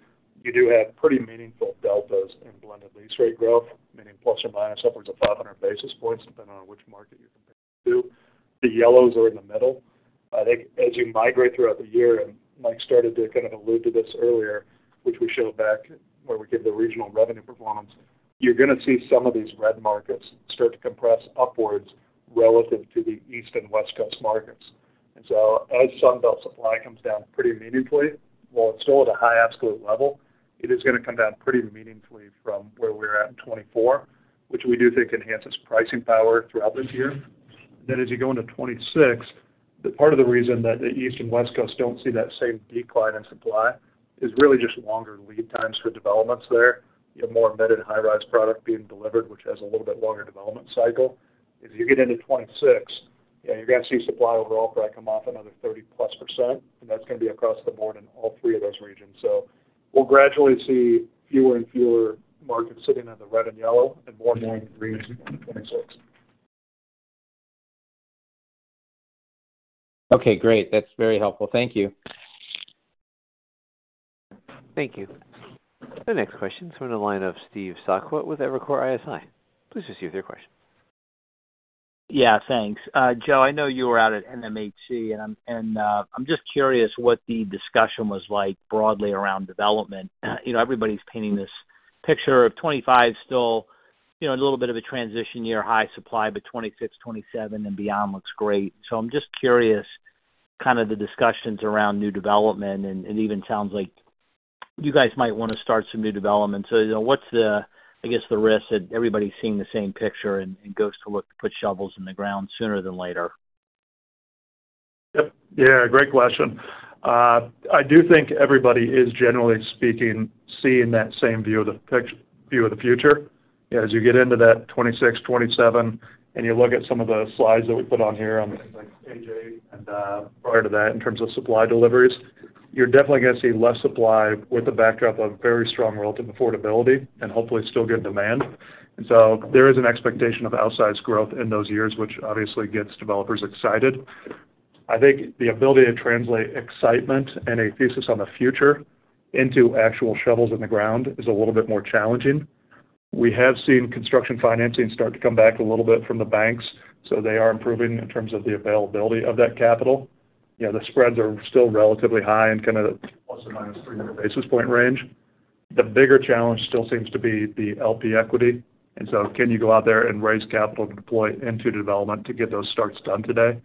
you do have pretty meaningful deltas in blended lease rate growth, meaning plus or minus upwards of 500 basis points depending on which market you compare it to. The yellows are in the middle. I think as you migrate throughout the year, and Mike started to kind of allude to this earlier, which we showed back where we give the regional revenue performance, you're going to see some of these red markets start to compress upwards relative to the East and West Coast markets. And so as Sunbelt supply comes down pretty meaningfully, while it's still at a high absolute level, it is going to come down pretty meaningfully from where we're at in 2024, which we do think enhances pricing power throughout this year. And then as you go into 2026, part of the reason that the East Coast and West Coast don't see that same decline in supply is really just longer lead times for developments there, more embedded high-rise product being delivered, which has a little bit longer development cycle. As you get into 2026, you're going to see supply overall probably come off another +30%, and that's going to be across the board in all three of those regions. So we'll gradually see fewer and fewer markets sitting on the red and yellow and more and more in the greens in 2026.
Okay. Great. That's very helpful. Thank you.
Thank you. The next question is from the line of Steve Sakwa with Evercore ISI. Please proceed with your question.
Yeah. Thanks. Joe, I know you were out at NMHC, and I'm just curious what the discussion was like broadly around development. Everybody's painting this picture of 2025 still a little bit of a transition year, high supply, but 2026, 2027, and beyond looks great. So I'm just curious kind of the discussions around new development, and it even sounds like you guys might want to start some new development. So what's, I guess, the risk that everybody's seeing the same picture and goes to look to put shovels in the ground sooner than later?
Yep. Yeah. Great question. I do think everybody is, generally speaking, seeing that same view of the future. As you get into that 2026, 2027, and you look at some of the slides that we put on here on page eight and prior to that in terms of supply deliveries, you're definitely going to see less supply with the backdrop of very strong relative affordability and hopefully still good demand. And so there is an expectation of outsized growth in those years, which obviously gets developers excited. I think the ability to translate excitement and a thesis on the future into actual shovels in the ground is a little bit more challenging. We have seen construction financing start to come back a little bit from the banks, so they are improving in terms of the availability of that capital. The spreads are still relatively high in kind of the plus or minus 300 basis point range. The bigger challenge still seems to be the LP equity. And so can you go out there and raise capital to deploy into development to get those starts done today?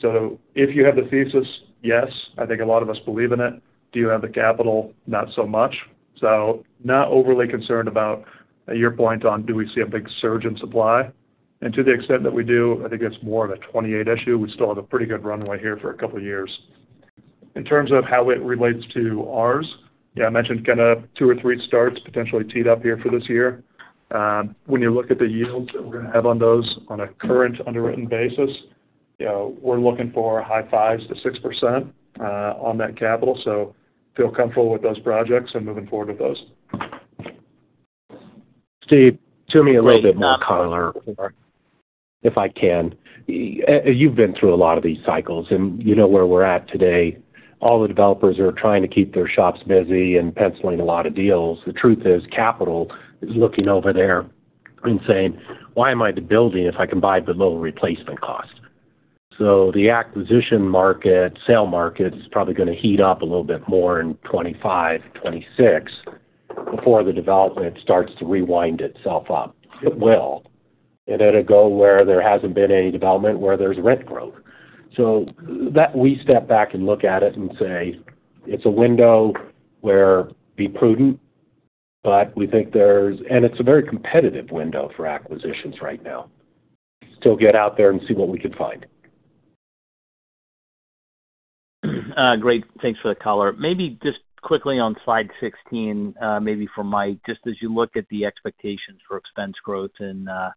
So if you have the thesis, yes, I think a lot of us believe in it. Do you have the capital? Not so much. So not overly concerned about your point on do we see a big surge in supply. And to the extent that we do, I think it's more of a 2028 issue. We still have a pretty good runway here for a couple of years. In terms of how it relates to ours, I mentioned kind of two or three starts potentially teed up here for this year. When you look at the yields that we're going to have on those, on a current underwritten basis, we're looking for high fives to 6% on that capital. So, feel comfortable with those projects and moving forward with those.
Steve, let me add a little bit more color, if I can. You've been through a lot of these cycles, and you know where we're at today. All the developers are trying to keep their shops busy and penciling a lot of deals. The truth is capital is looking over there and saying, "Why am I building if I can buy below replacement cost?" So the acquisition market, sale market is probably going to heat up a little bit more in 2025, 2026 before the development starts to rewind itself up. It will. It had to go where there hasn't been any development where there's rent growth. So we step back and look at it and say, "It's a window where be prudent, but we think there's and it's a very competitive window for acquisitions right now. Still get out there and see what we can find.
Great. Thanks for the color. Maybe just quickly on slide 16, maybe for Mike, just as you look at the expectations for expense growth in 2025, and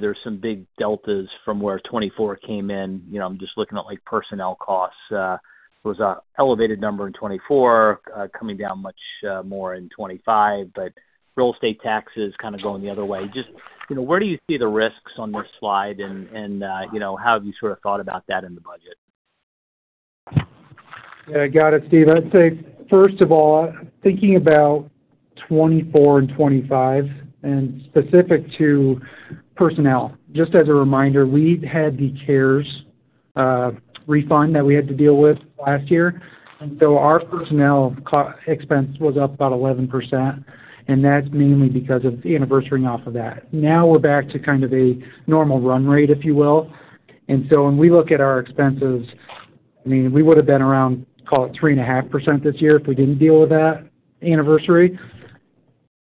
there's some big deltas from where 2024 came in. I'm just looking at personnel costs. It was an elevated number in 2024, coming down much more in 2025, but real estate taxes kind of going the other way. Just where do you see the risks on this slide, and how have you sort of thought about that in the budget?
Yeah. I got it, Steve. I'd say, first of all, thinking about 2024 and 2025 and specific to personnel, just as a reminder, we had the CARES refund that we had to deal with last year. And so our personnel expense was up about 11%, and that's mainly because of the anniversary off of that. Now we're back to kind of a normal run rate, if you will. And so when we look at our expenses, I mean, we would have been around, call it 3.5% this year if we didn't deal with that anniversary.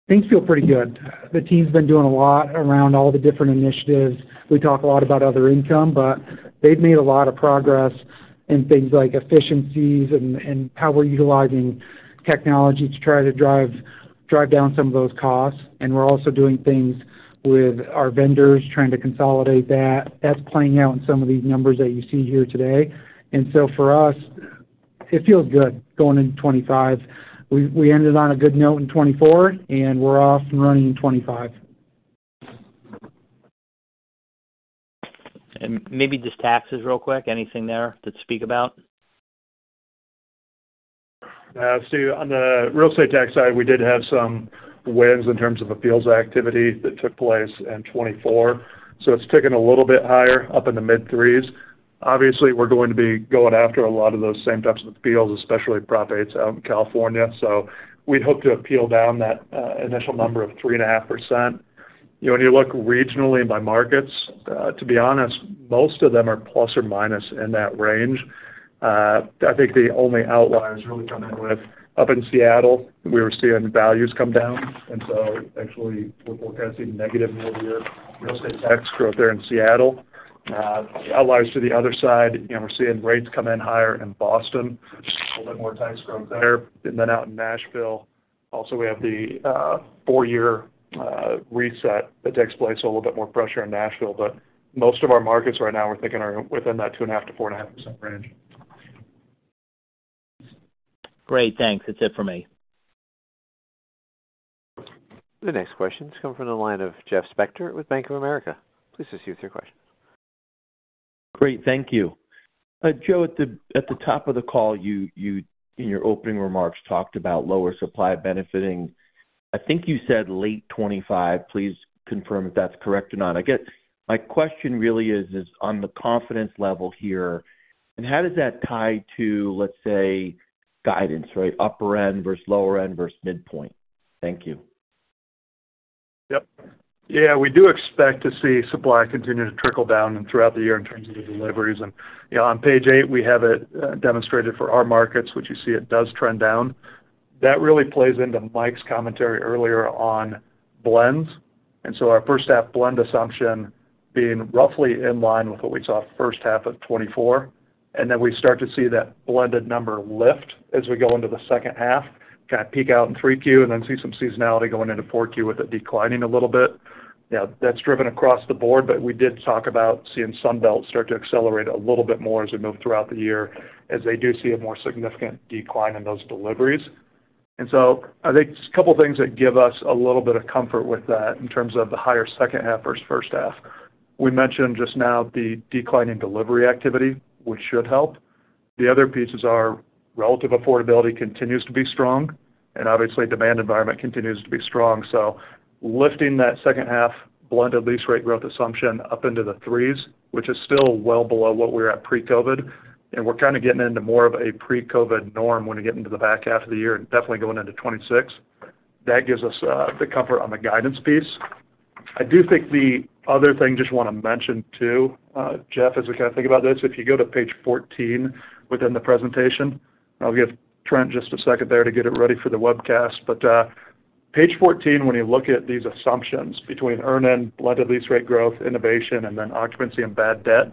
Things feel pretty good. The team's been doing a lot around all the different initiatives. We talk a lot about other income, but they've made a lot of progress in things like efficiencies and how we're utilizing technology to try to drive down some of those costs. We're also doing things with our vendors trying to consolidate that. That's playing out in some of these numbers that you see here today. So for us, it feels good going into 2025. We ended on a good note in 2024, and we're off and running in 2025.
Maybe just taxes real quick. Anything there to speak about?
Steve, on the real estate tax side, we did have some wins in terms of appeals activity that took place in 2024, so it's ticking a little bit higher up in the mid-threes. Obviously, we're going to be going after a lot of those same types of appeals, especially Prop 8s out in California, so we'd hope to appeal down that initial number of 3.5%. When you look regionally by markets, to be honest, most of them are plus or minus in that range. I think the only outliers really come in with up in Seattle, we were seeing values come down, and so actually, we're kind of seeing negative real estate tax growth there in Seattle. Outliers to the other side, we're seeing rates come in higher in Boston, a little bit more tax growth there. And then out in Nashville, also we have the four-year reset that takes place, a little bit more pressure in Nashville. But most of our markets right now we're thinking are within that 2.5%-4.5% range.
Great. Thanks. That's it for me.
The next question is coming from the line of Jeff Spector with Bank of America. Please proceed with your question.
Great. Thank you. Joe, at the top of the call, you, in your opening remarks, talked about lower supply benefiting. I think you said late 2025. Please confirm if that's correct or not. My question really is, on the confidence level here, and how does that tie to, let's say, guidance, right? Thank you.
Yep. Yeah. We do expect to see supply continue to trickle down throughout the year in terms of the deliveries, and on page eight, we have it demonstrated for our markets, which you see it does trend down. That really plays into Mike's commentary earlier on blends, and so our first-half blend assumption being roughly in line with what we saw first half of 2024, and then we start to see that blended number lift as we go into the second half, kind of peak out in 3Q, and then see some seasonality going into 4Q with it declining a little bit. Yeah. That's driven across the board, but we did talk about seeing Sunbelt start to accelerate a little bit more as we move throughout the year as they do see a more significant decline in those deliveries. And so I think a couple of things that give us a little bit of comfort with that in terms of the higher second half versus first half. We mentioned just now the declining delivery activity, which should help. The other pieces are relative affordability continues to be strong, and obviously, demand environment continues to be strong. So lifting that second-half blended lease rate growth assumption up into the threes, which is still well below what we were at pre-COVID, and we're kind of getting into more of a pre-COVID norm when we get into the back half of the year and definitely going into 2026. That gives us the comfort on the guidance piece. I do think the other thing I just want to mention too, Jeff, as we kind of think about this, if you go to page 14 within the presentation, I'll give Trent just a second there to get it ready for the webcast, but page 14, when you look at these assumptions between earn-in, blended lease rate growth, innovation, and then occupancy and bad debt,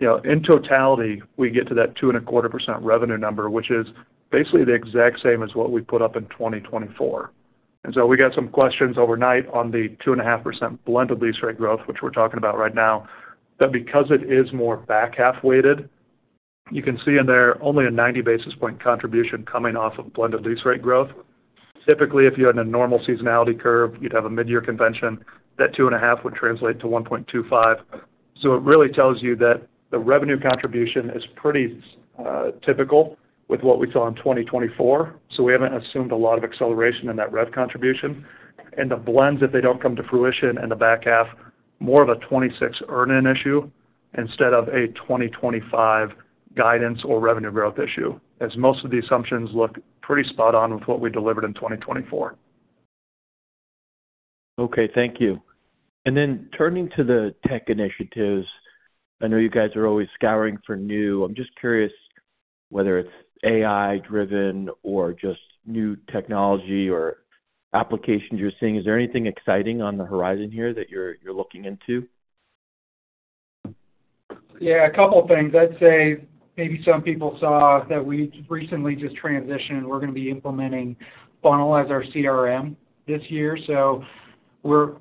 in totality, we get to that 2.25% revenue number, which is basically the exact same as what we put up in 2024, and so we got some questions overnight on the 2.5% blended lease rate growth, which we're talking about right now, that because it is more back-half weighted, you can see in there only a 90 basis point contribution coming off of blended lease rate growth. Typically, if you had a normal seasonality curve, you'd have a mid-year convention, that 2.5 would translate to 1.25. So it really tells you that the revenue contribution is pretty typical with what we saw in 2024. So we haven't assumed a lot of acceleration in that rev contribution. And the blends, if they don't come to fruition in the back half, more of a 2026 earn-in issue instead of a 2025 guidance or revenue growth issue, as most of the assumptions look pretty spot on with what we delivered in 2024.
Okay. Thank you. And then turning to the tech initiatives, I know you guys are always scouring for new. I'm just curious whether it's AI-driven or just new technology or applications you're seeing. Is there anything exciting on the horizon here that you're looking into?
Yeah. A couple of things. I'd say maybe some people saw that we recently just transitioned. We're going to be implementing Funnel as our CRM this year. So we're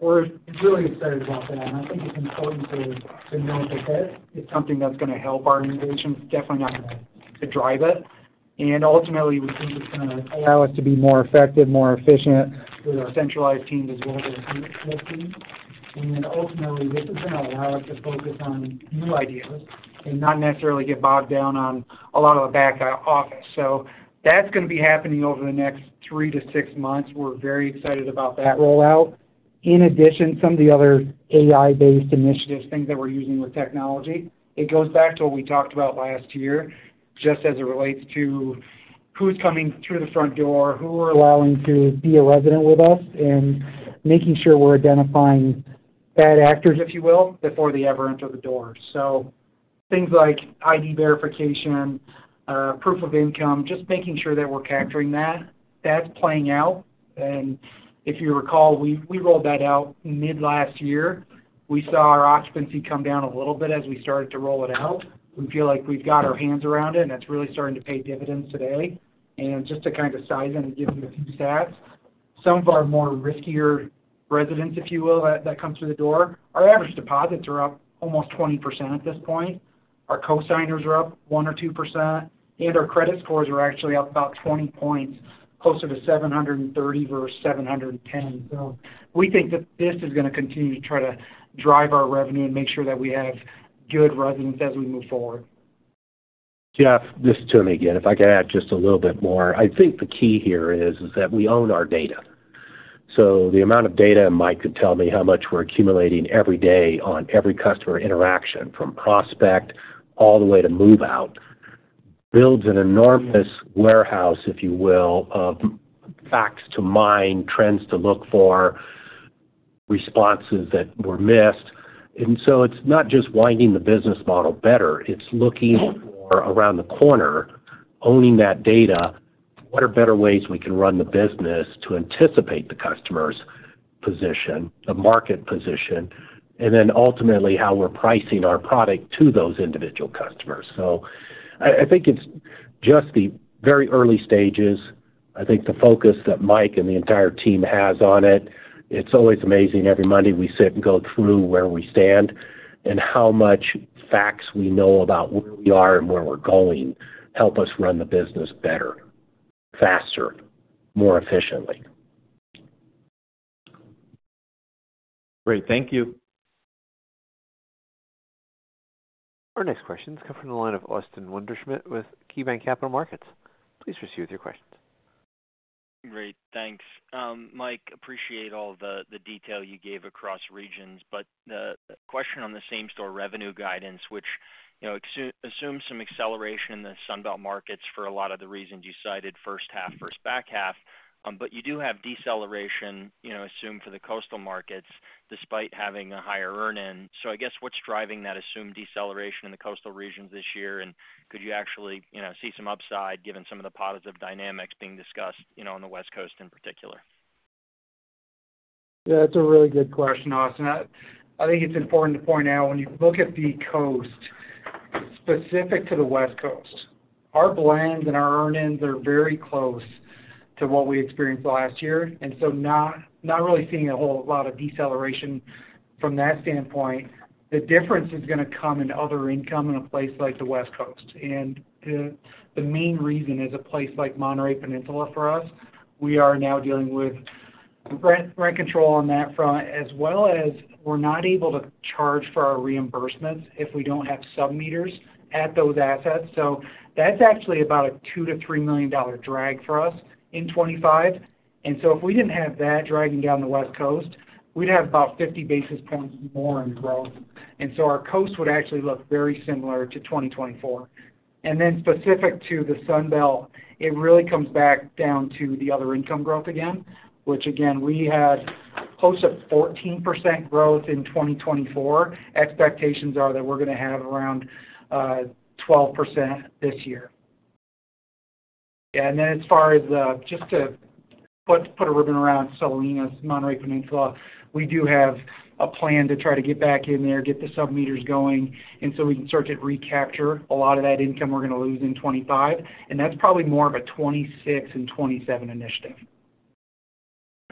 really excited about that. And I think it's important to know it's a hit. It's something that's going to help our innovation, definitely not going to drive it. And ultimately, we think it's going to allow us to be more effective, more efficient with our centralized teams as well as our teams. And ultimately, this is going to allow us to focus on new ideas and not necessarily get bogged down on a lot of the back office. So that's going to be happening over the next three to six months. We're very excited about that rollout. In addition, some of the other AI-based initiatives, things that we're using with technology, it goes back to what we talked about last year, just as it relates to who's coming through the front door, who we're allowing to be a resident with us, and making sure we're identifying bad actors, if you will, before they ever enter the door, so things like ID verification, proof of income, just making sure that we're capturing that. That's playing out, and if you recall, we rolled that out mid-last year. We feel like we've got our hands around it, and it's really starting to pay dividends today. Just to kind of size in and give you a few stats, some of our more riskier residents, if you will, that come through the door, our average deposits are up almost 20% at this point. Our co-signers are up 1% or 2%, and our credit scores are actually up about 20 points, closer to 730 versus 710. We think that this is going to continue to try to drive our revenue and make sure that we have good residents as we move forward.
Jeff, just to add again, if I can add just a little bit more, I think the key here is that we own our data. So the amount of data Mike could tell me how much we're accumulating every day on every customer interaction from prospect all the way to move out builds an enormous warehouse, if you will, of facts to mine, trends to look for, responses that were missed. And so it's not just refining the business model better. It's looking around the corner, owning that data, what are better ways we can run the business to anticipate the customer's position, the market position, and then ultimately how we're pricing our product to those individual customers. So I think it's just the very early stages. I think the focus that Mike and the entire team has on it. It's always amazing. Every Monday, we sit and go through where we stand and how much facts we know about where we are and where we're going help us run the business better, faster, more efficiently.
Great. Thank you.
Our next question has come from the line of Austin Wurschmidt with KeyBank Capital Markets. Please proceed with your questions.
Great. Thanks. Mike, appreciate all the detail you gave across regions, but the question on the same-store revenue guidance, which assumes some acceleration in the Sunbelt markets for a lot of the reasons you cited first half, first back half, but you do have deceleration assumed for the coastal markets despite having a higher earn-in. So I guess what's driving that assumed deceleration in the coastal regions this year? And could you actually see some upside given some of the positive dynamics being discussed on the West Coast in particular?
Yeah. That's a really good question, Austin. I think it's important to point out when you look at the coast, specific to the West Coast, our blends and our earn-ins are very close to what we experienced last year. And so not really seeing a whole lot of deceleration from that standpoint. The difference is going to come in other income in a place like the West Coast. And the main reason is a place like Monterey Peninsula for us. We are now dealing with rent control on that front, as well as we're not able to charge for our reimbursements if we don't have sub-meters at those assets. So that's actually about a $2 million-$3 million drag for us in 2025. And so if we didn't have that dragging down the West Coast, we'd have about 50 basis points more in growth. And so our coast would actually look very similar to 2024. And then specific to the Sunbelt, it really comes back down to the other income growth again, which again, we had close to 14% growth in 2024. Expectations are that we're going to have around 12% this year. Yeah. And then as far as just to put a ribbon around Salinas, Monterey Peninsula, we do have a plan to try to get back in there, get the sub-meters going, and so we can start to recapture a lot of that income we're going to lose in 2025. And that's probably more of a 2026 and 2027 initiative.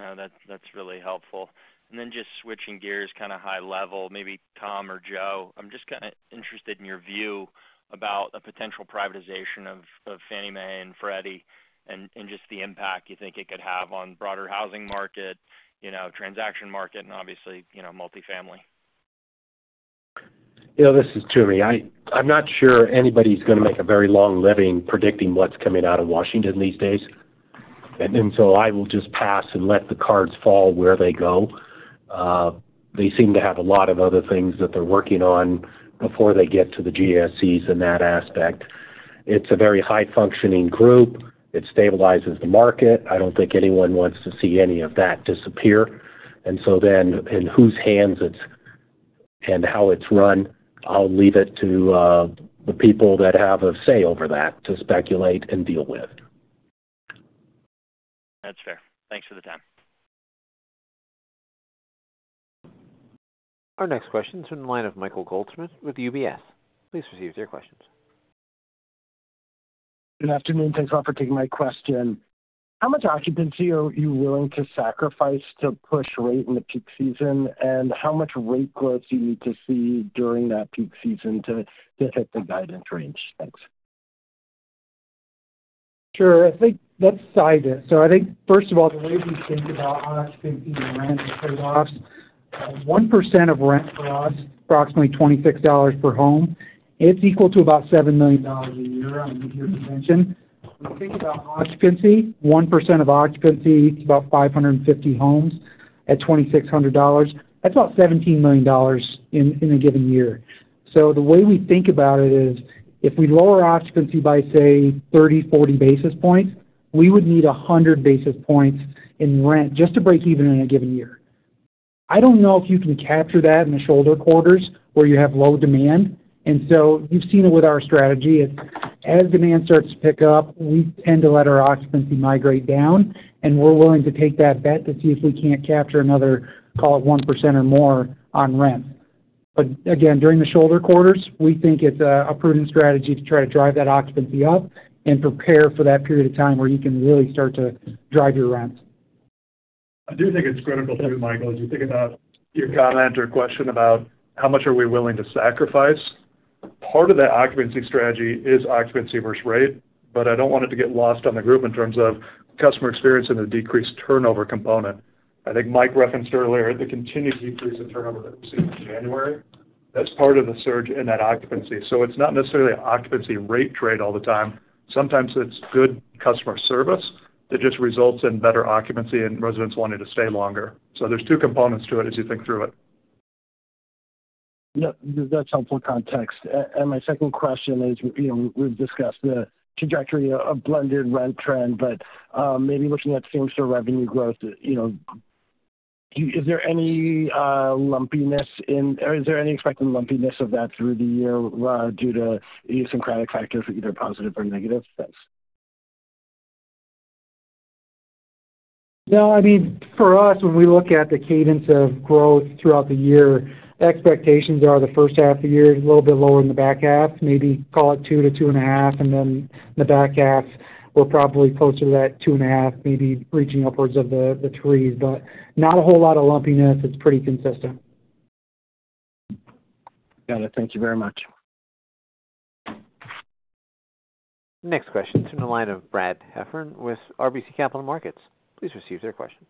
No, that's really helpful. And then just switching gears kind of high level, maybe Tom or Joe, I'm just kind of interested in your view about a potential privatization of Fannie Mae and Freddie Mac and just the impact you think it could have on broader housing market, transaction market, and obviously multifamily?
This is Toomey. I'm not sure anybody's going to make a very long living predicting what's coming out of Washington these days. And so I will just pass and let the cards fall where they go. They seem to have a lot of other things that they're working on before they get to the GSEs in that aspect. It's a very high-functioning group. It stabilizes the market. I don't think anyone wants to see any of that disappear. And so then in whose hands it's and how it's run, I'll leave it to the people that have a say over that to speculate and deal with.
That's fair. Thanks for the time.
Our next question is from the line of Michael Goldsmith with UBS. Please proceed with your questions.
Good afternoon. Thanks a lot for taking my question. How much occupancy are you willing to sacrifice to push rate in the peak season? And how much rate growth do you need to see during that peak season to hit the guidance range? Thanks.
Sure. I think let's size it. So I think, first of all, the way we think about occupancy and rent trade-offs, 1% of rent for us, approximately $26 per home, it's equal to about $7 million a year on a mid-year convention. When you think about occupancy, 1% of occupancy, it's about 550 homes at $2,600. That's about $17 million in a given year. So the way we think about it is if we lower occupancy by, say, 30, 40 basis points, we would need 100 basis points in rent just to break even in a given year. I don't know if you can capture that in the shoulder quarters where you have low demand. And so you've seen it with our strategy. As demand starts to pick up, we tend to let our occupancy migrate down, and we're willing to take that bet to see if we can't capture another, call it 1% or more on rent. But again, during the shoulder quarters, we think it's a prudent strategy to try to drive that occupancy up and prepare for that period of time where you can really start to drive your rent.
I do think it's critical too, Michael, as you think about your comment or question about how much are we willing to sacrifice. Part of that occupancy strategy is occupancy versus rate, but I don't want it to get lost on the group in terms of customer experience and the decreased turnover component. I think Mike referenced earlier the continued decrease in turnover that we've seen in January. That's part of the surge in that occupancy. So it's not necessarily an occupancy rate trade all the time. Sometimes it's good customer service that just results in better occupancy and residents wanting to stay longer. So there's two components to it as you think through it.
Yeah. That's helpful context. And my second question is we've discussed the trajectory of blended rent trend, but maybe looking at same-store revenue growth, is there any lumpiness in or is there any expected lumpiness of that through the year due to idiosyncratic factors, either positive or negative? Thanks.
No. I mean, for us, when we look at the cadence of growth throughout the year, expectations are the first half of the year is a little bit lower in the back half, maybe call it two to two and a half, and then the back half, we're probably closer to that two and a half, maybe reaching upwards of the three, but not a whole lot of lumpiness. It's pretty consistent.
Got it. Thank you very much.
Next question is from the line of Brad Heffern with RBC Capital Markets. Please proceed with your questions.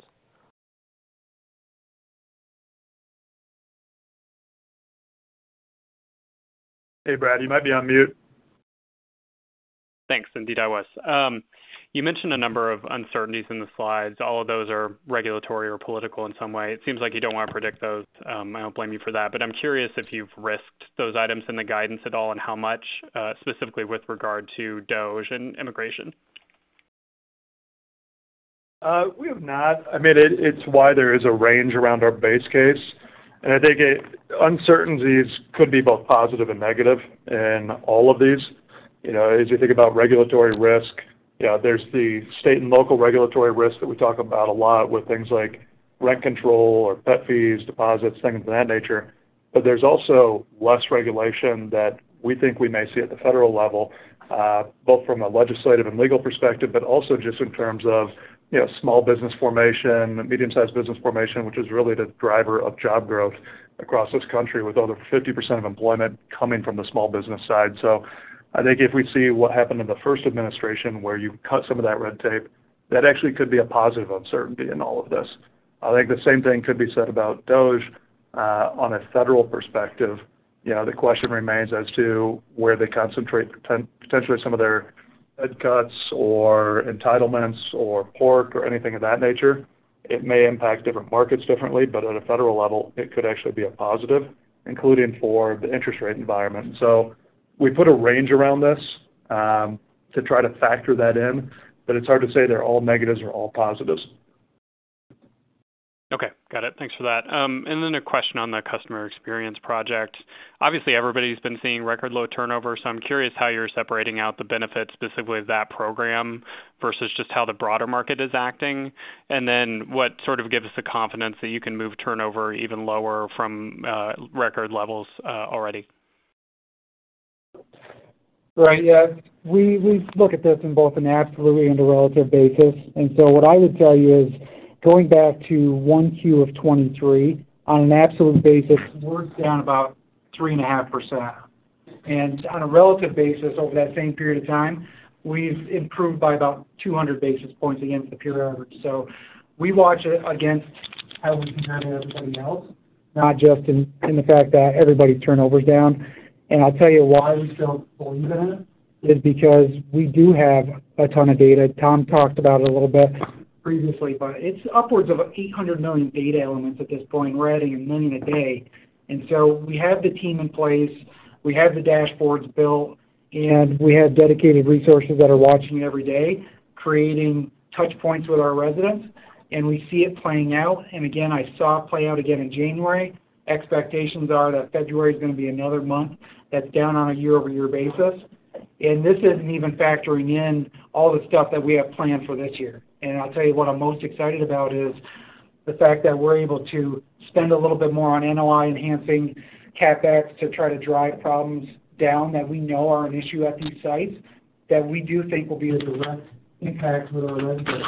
Hey, Brad. You might be on mute.
Thanks. Indeed, I was. You mentioned a number of uncertainties in the slides. All of those are regulatory or political in some way. It seems like you don't want to predict those. I don't blame you for that. But I'm curious if you've risked those items in the guidance at all and how much, specifically with regard to DOGE and immigration.
We have not. I mean, it's why there is a range around our base case. And I think uncertainties could be both positive and negative in all of these. As you think about regulatory risk, there's the state and local regulatory risk that we talk about a lot with things like rent control or pet fees, deposits, things of that nature. But there's also less regulation that we think we may see at the federal level, both from a legislative and legal perspective, but also just in terms of small business formation, medium-sized business formation, which is really the driver of job growth across this country with over 50% of employment coming from the small business side. So I think if we see what happened in the first administration where you cut some of that red tape, that actually could be a positive uncertainty in all of this. I think the same thing could be said about DOGE on a federal perspective. The question remains as to where they concentrate potentially some of their Fed cuts or entitlements or pork or anything of that nature. It may impact different markets differently, but at a federal level, it could actually be a positive, including for the interest rate environment. We put a range around this to try to factor that in, but it's hard to say they're all negatives or all positives.
Okay. Got it. Thanks for that. And then a question on the Customer Experience Project. Obviously, everybody's been seeing record low turnover, so I'm curious how you're separating out the benefits specifically of that program versus just how the broader market is acting? And then what sort of gives us the confidence that you can move turnover even lower from record levels already?
Right. Yeah. We look at this in both an absolute and a relative basis, and so what I would tell you is going back to 1Q of 2023, on an absolute basis, we're down about 3.5%. And on a relative basis, over that same period of time, we've improved by about 200 basis points against the peer average. So we watch it against how we compare to everybody else, not just in the fact that everybody's turnover is down, and I'll tell you why we still believe in it is because we do have a ton of data. Tom talked about it a little bit previously, but it's upwards of 800 million data elements at this point, we're adding 1 million a day, and so we have the team in place. We have the dashboards built, and we have dedicated resources that are watching it every day, creating touch points with our residents, and we see it playing out, and again, I saw it play out again in January. Expectations are that February is going to be another month that's down on a year-over-year basis, and this isn't even factoring in all the stuff that we have planned for this year. And I'll tell you what I'm most excited about is the fact that we're able to spend a little bit more on NOI-enhancing CapEx to try to drive problems down that we know are an issue at these sites that we do think will be a direct impact with our residents,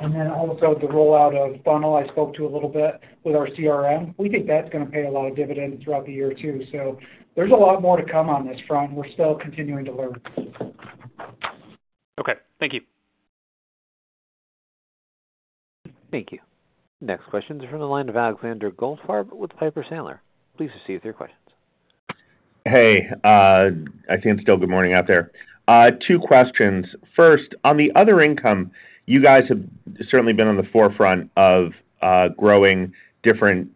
and then also the rollout of Funnel, I spoke to a little bit with our CRM. We think that's going to pay a lot of dividend throughout the year too, so there's a lot more to come on this front. We're still continuing to learn.
Okay. Thank you.
Thank you. Next question is from the line of Alexander Goldfarb with Piper Sandler. Please proceed with your questions.
Hey. I see him still. Good morning out there. Two questions. First, on the other income, you guys have certainly been on the forefront of growing different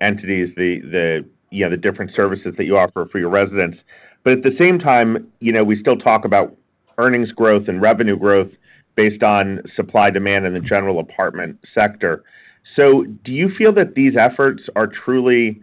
entities, the different services that you offer for your residents. But at the same time, we still talk about earnings growth and revenue growth based on supply demand in the general apartment sector. So do you feel that these efforts are truly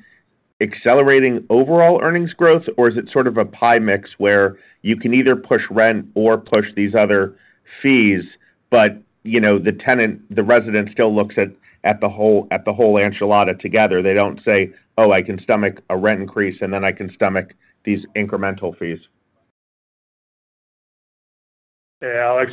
accelerating overall earnings growth, or is it sort of a pie mix where you can either push rent or push these other fees, but the resident still looks at the whole enchilada together? They don't say, "Oh, I can stomach a rent increase, and then I can stomach these incremental fees.
Yeah.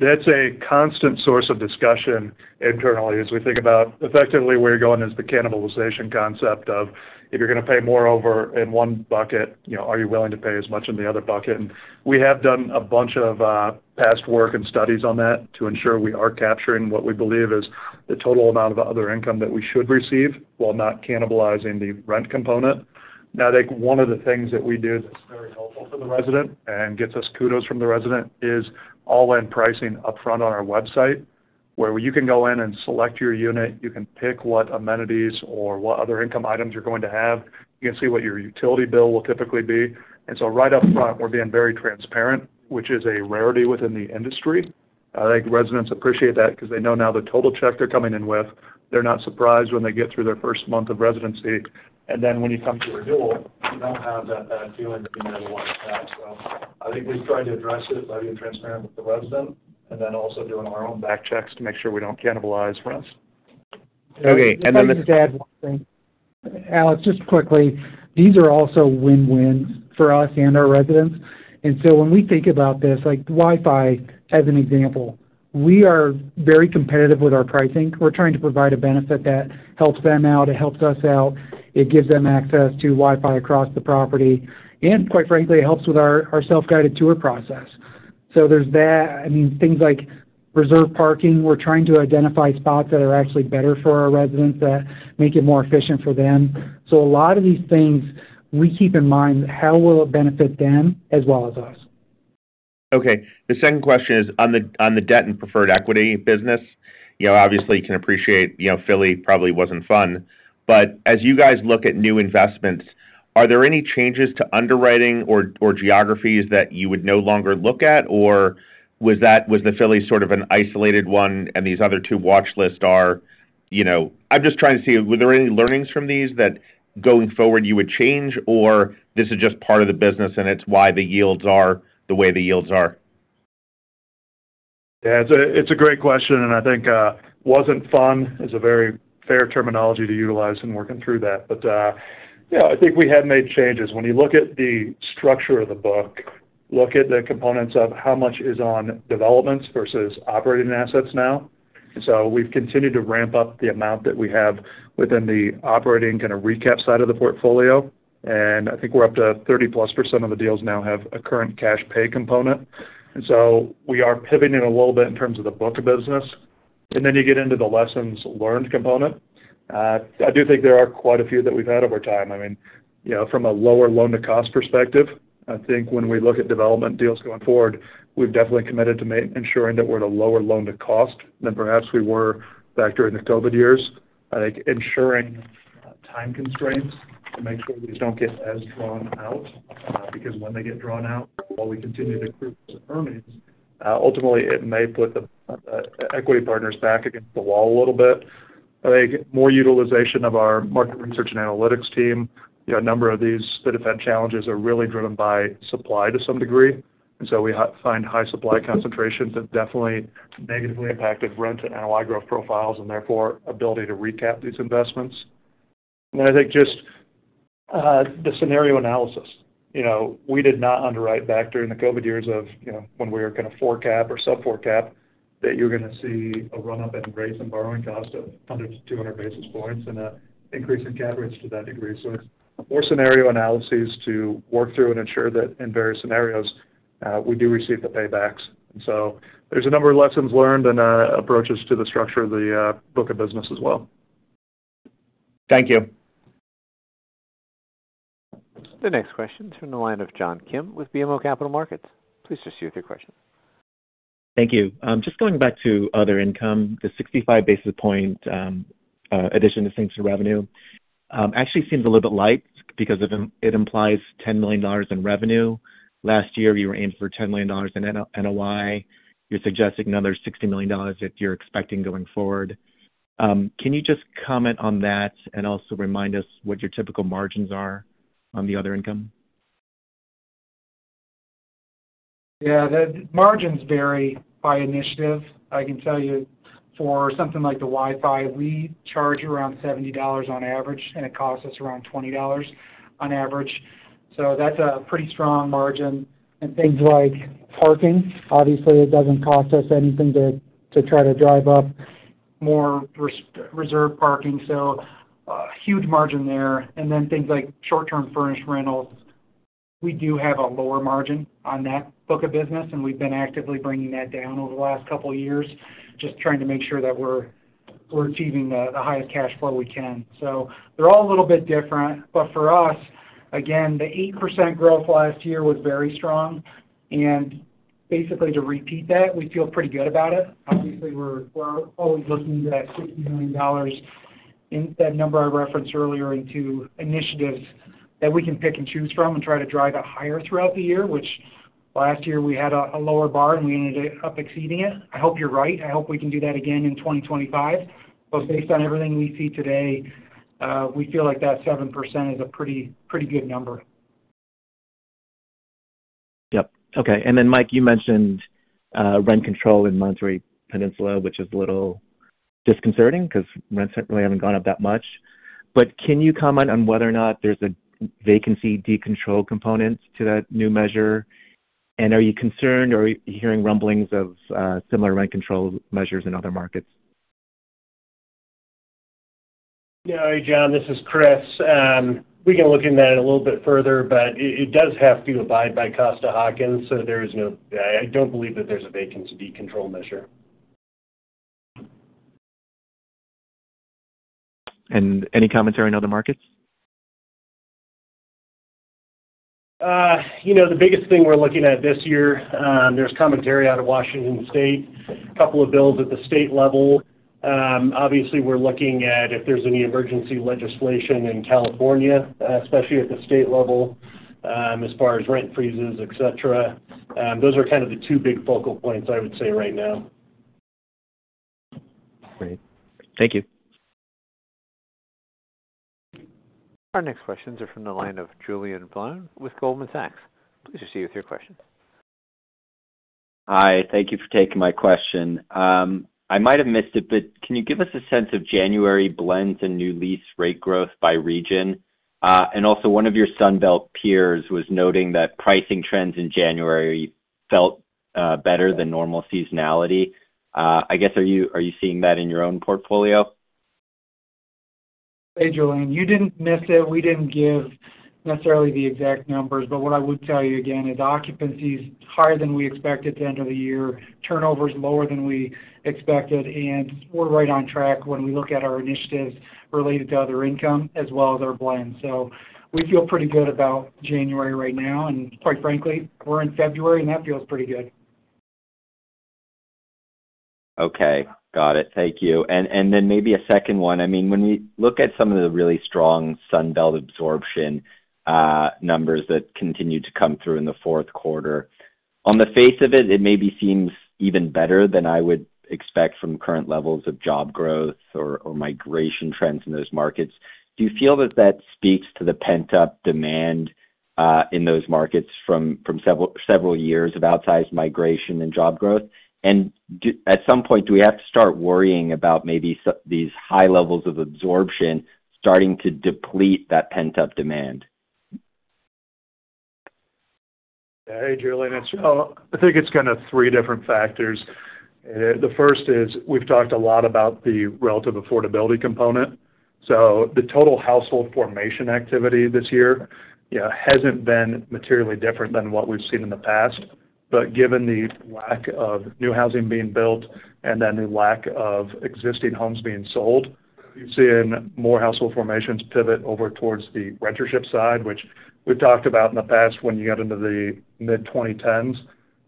That's a constant source of discussion internally as we think about effectively where you're going is the cannibalization concept of if you're going to pay more over in one bucket, are you willing to pay as much in the other bucket? And we have done a bunch of past work and studies on that to ensure we are capturing what we believe is the total amount of other income that we should receive while not cannibalizing the rent component. Now, I think one of the things that we do that's very helpful for the resident and gets us kudos from the resident is all-in pricing upfront on our website where you can go in and select your unit. You can pick what amenities or what other income items you're going to have. You can see what your utility bill will typically be. And so right upfront, we're being very transparent, which is a rarity within the industry. I think residents appreciate that because they know now the total check they're coming in with. They're not surprised when they get through their first month of residency. And then when you come to renewal, you don't have that feeling of being able to watch that. So I think we've tried to address it by being transparent with the resident and then also doing our own background checks to make sure we don't cannibalize rent.
Okay, and then the.
I'll just add one thing. Alex, just quickly, these are also win-wins for us and our residents. And so when we think about this, Wi-Fi as an example, we are very competitive with our pricing. We're trying to provide a benefit that helps them out. It helps us out. It gives them access to Wi-Fi across the property. And quite frankly, it helps with our self-guided tour process. So there's that. I mean, things like reserve parking. We're trying to identify spots that are actually better for our residents that make it more efficient for them. So a lot of these things, we keep in mind how will it benefit them as well as us.
Okay. The second question is on the debt and preferred equity business. Obviously, you can appreciate Philly probably wasn't fun. But as you guys look at new investments, are there any changes to underwriting or geographies that you would no longer look at? Or was the Philly sort of an isolated one and these other two on the watch list are? I'm just trying to see, were there any learnings from these that going forward you would change, or this is just part of the business and it's why the yields are the way the yields are?
Yeah. It's a great question. And I think wasn't fun is a very fair terminology to utilize in working through that. But yeah, I think we had made changes. When you look at the structure of the book, look at the components of how much is on developments versus operating assets now. And so we've continued to ramp up the amount that we have within the operating kind of recap side of the portfolio. And I think we're up to +30% of the deals now have a current cash pay component. And so we are pivoting a little bit in terms of the book of business. And then you get into the lessons learned component. I do think there are quite a few that we've had over time. I mean, from a lower loan-to-cost perspective, I think when we look at development deals going forward, we've definitely committed to ensuring that we're at a lower loan-to-cost than perhaps we were back during the COVID years. I think ensuring time constraints to make sure these don't get as drawn out because when they get drawn out, while we continue to accrue earnings, ultimately, it may put the equity partners up against the wall a little bit. I think more utilization of our market research and analytics team. A number of these debt challenges are really driven by supply to some degree. And so we find high supply concentrations have definitely negatively impacted rent and NOI growth profiles and therefore ability to recap these investments. And then I think just the scenario analysis. We did not underwrite back during the COVID years of when we were kind of four cap or sub-four cap that you're going to see a run-up in rates and borrowing cost of 100-200 basis points and an increase in cap rates to that degree. So it's more scenario analyses to work through and ensure that in various scenarios, we do receive the paybacks. And so there's a number of lessons learned and approaches to the structure of the book of business as well.
Thank you.
The next question is from the line of John Kim with BMO Capital Markets. Please proceed with your question.
Thank you. Just going back to other income, the 65 basis point addition to distinctive revenue actually seems a little bit light because it implies $10 million in revenue. Last year, you were aiming for $10 million in NOI. You're suggesting another $60 million that you're expecting going forward. Can you just comment on that and also remind us what your typical margins are on the other income?
Yeah. The margins vary by initiative. I can tell you for something like the Wi-Fi, we charge around $70 on average, and it costs us around $20 on average. So that's a pretty strong margin. And things like parking, obviously, it doesn't cost us anything to try to drive up more reserve parking. So huge margin there. And then things like short-term furnished rentals, we do have a lower margin on that book of business, and we've been actively bringing that down over the last couple of years, just trying to make sure that we're achieving the highest cash flow we can. So they're all a little bit different. But for us, again, the 8% growth last year was very strong. And basically, to repeat that, we feel pretty good about it. Obviously, we're always looking to that $60 million in that number I referenced earlier into initiatives that we can pick and choose from and try to drive it higher throughout the year, which last year we had a lower bar, and we ended up exceeding it. I hope you're right. I hope we can do that again in 2025. But based on everything we see today, we feel like that 7% is a pretty good number.
Yep. Okay. And then, Mike, you mentioned rent control in Monterey Peninsula, which is a little disconcerting because rents really haven't gone up that much. But can you comment on whether or not there's a vacancy decontrol component to that new measure? And are you concerned or hearing rumblings of similar rent control measures in other markets? Yeah. Hey, John. This is Chris. We can look into that a little bit further, but it does have to abide by Costa-Hawkins. So I don't believe that there's a vacancy decontrol measure. Any commentary on other markets?
The biggest thing we're looking at this year, there's commentary out of Washington State, a couple of bills at the state level. Obviously, we're looking at if there's any emergency legislation in California, especially at the state level as far as rent freezes, etc. Those are kind of the two big focal points, I would say, right now.
Great. Thank you.
Our next questions are from the line of Julian Blumer with Goldman Sachs. Please proceed with your question.
Hi. Thank you for taking my question. I might have missed it, but can you give us a sense of January blends and new lease rate growth by region? And also, one of your Sunbelt peers was noting that pricing trends in January felt better than normal seasonality. I guess, are you seeing that in your own portfolio?
Hey, Julian. You didn't miss it. We didn't give necessarily the exact numbers. But what I would tell you again is occupancy is higher than we expected at the end of the year, turnovers lower than we expected. And we're right on track when we look at our initiatives related to other income as well as our blend. So we feel pretty good about January right now. And quite frankly, we're in February, and that feels pretty good.
Okay. Got it. Thank you. And then maybe a second one. I mean, when we look at some of the really strong Sunbelt absorption numbers that continue to come through in the fourth quarter, on the face of it, it maybe seems even better than I would expect from current levels of job growth or migration trends in those markets. Do you feel that that speaks to the pent-up demand in those markets from several years of outsized migration and job growth? And at some point, do we have to start worrying about maybe these high levels of absorption starting to deplete that pent-up demand?
Hey, Julian. I think it's kind of three different factors. The first is we've talked a lot about the relative affordability component. So the total household formation activity this year hasn't been materially different than what we've seen in the past. But given the lack of new housing being built and that new lack of existing homes being sold, you've seen more household formations pivot over towards the rentership side, which we've talked about in the past when you got into the mid-2010s.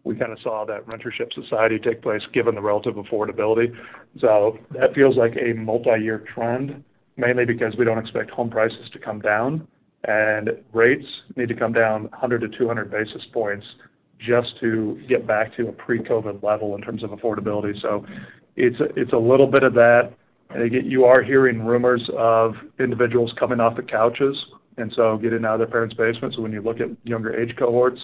We kind of saw that rentership society take place given the relative affordability. So that feels like a multi-year trend, mainly because we don't expect home prices to come down, and rates need to come down 100-200 basis points just to get back to a pre-COVID level in terms of affordability. So it's a little bit of that. You are hearing rumors of individuals coming off the couches and so getting out of their parents' basements. When you look at younger age cohorts,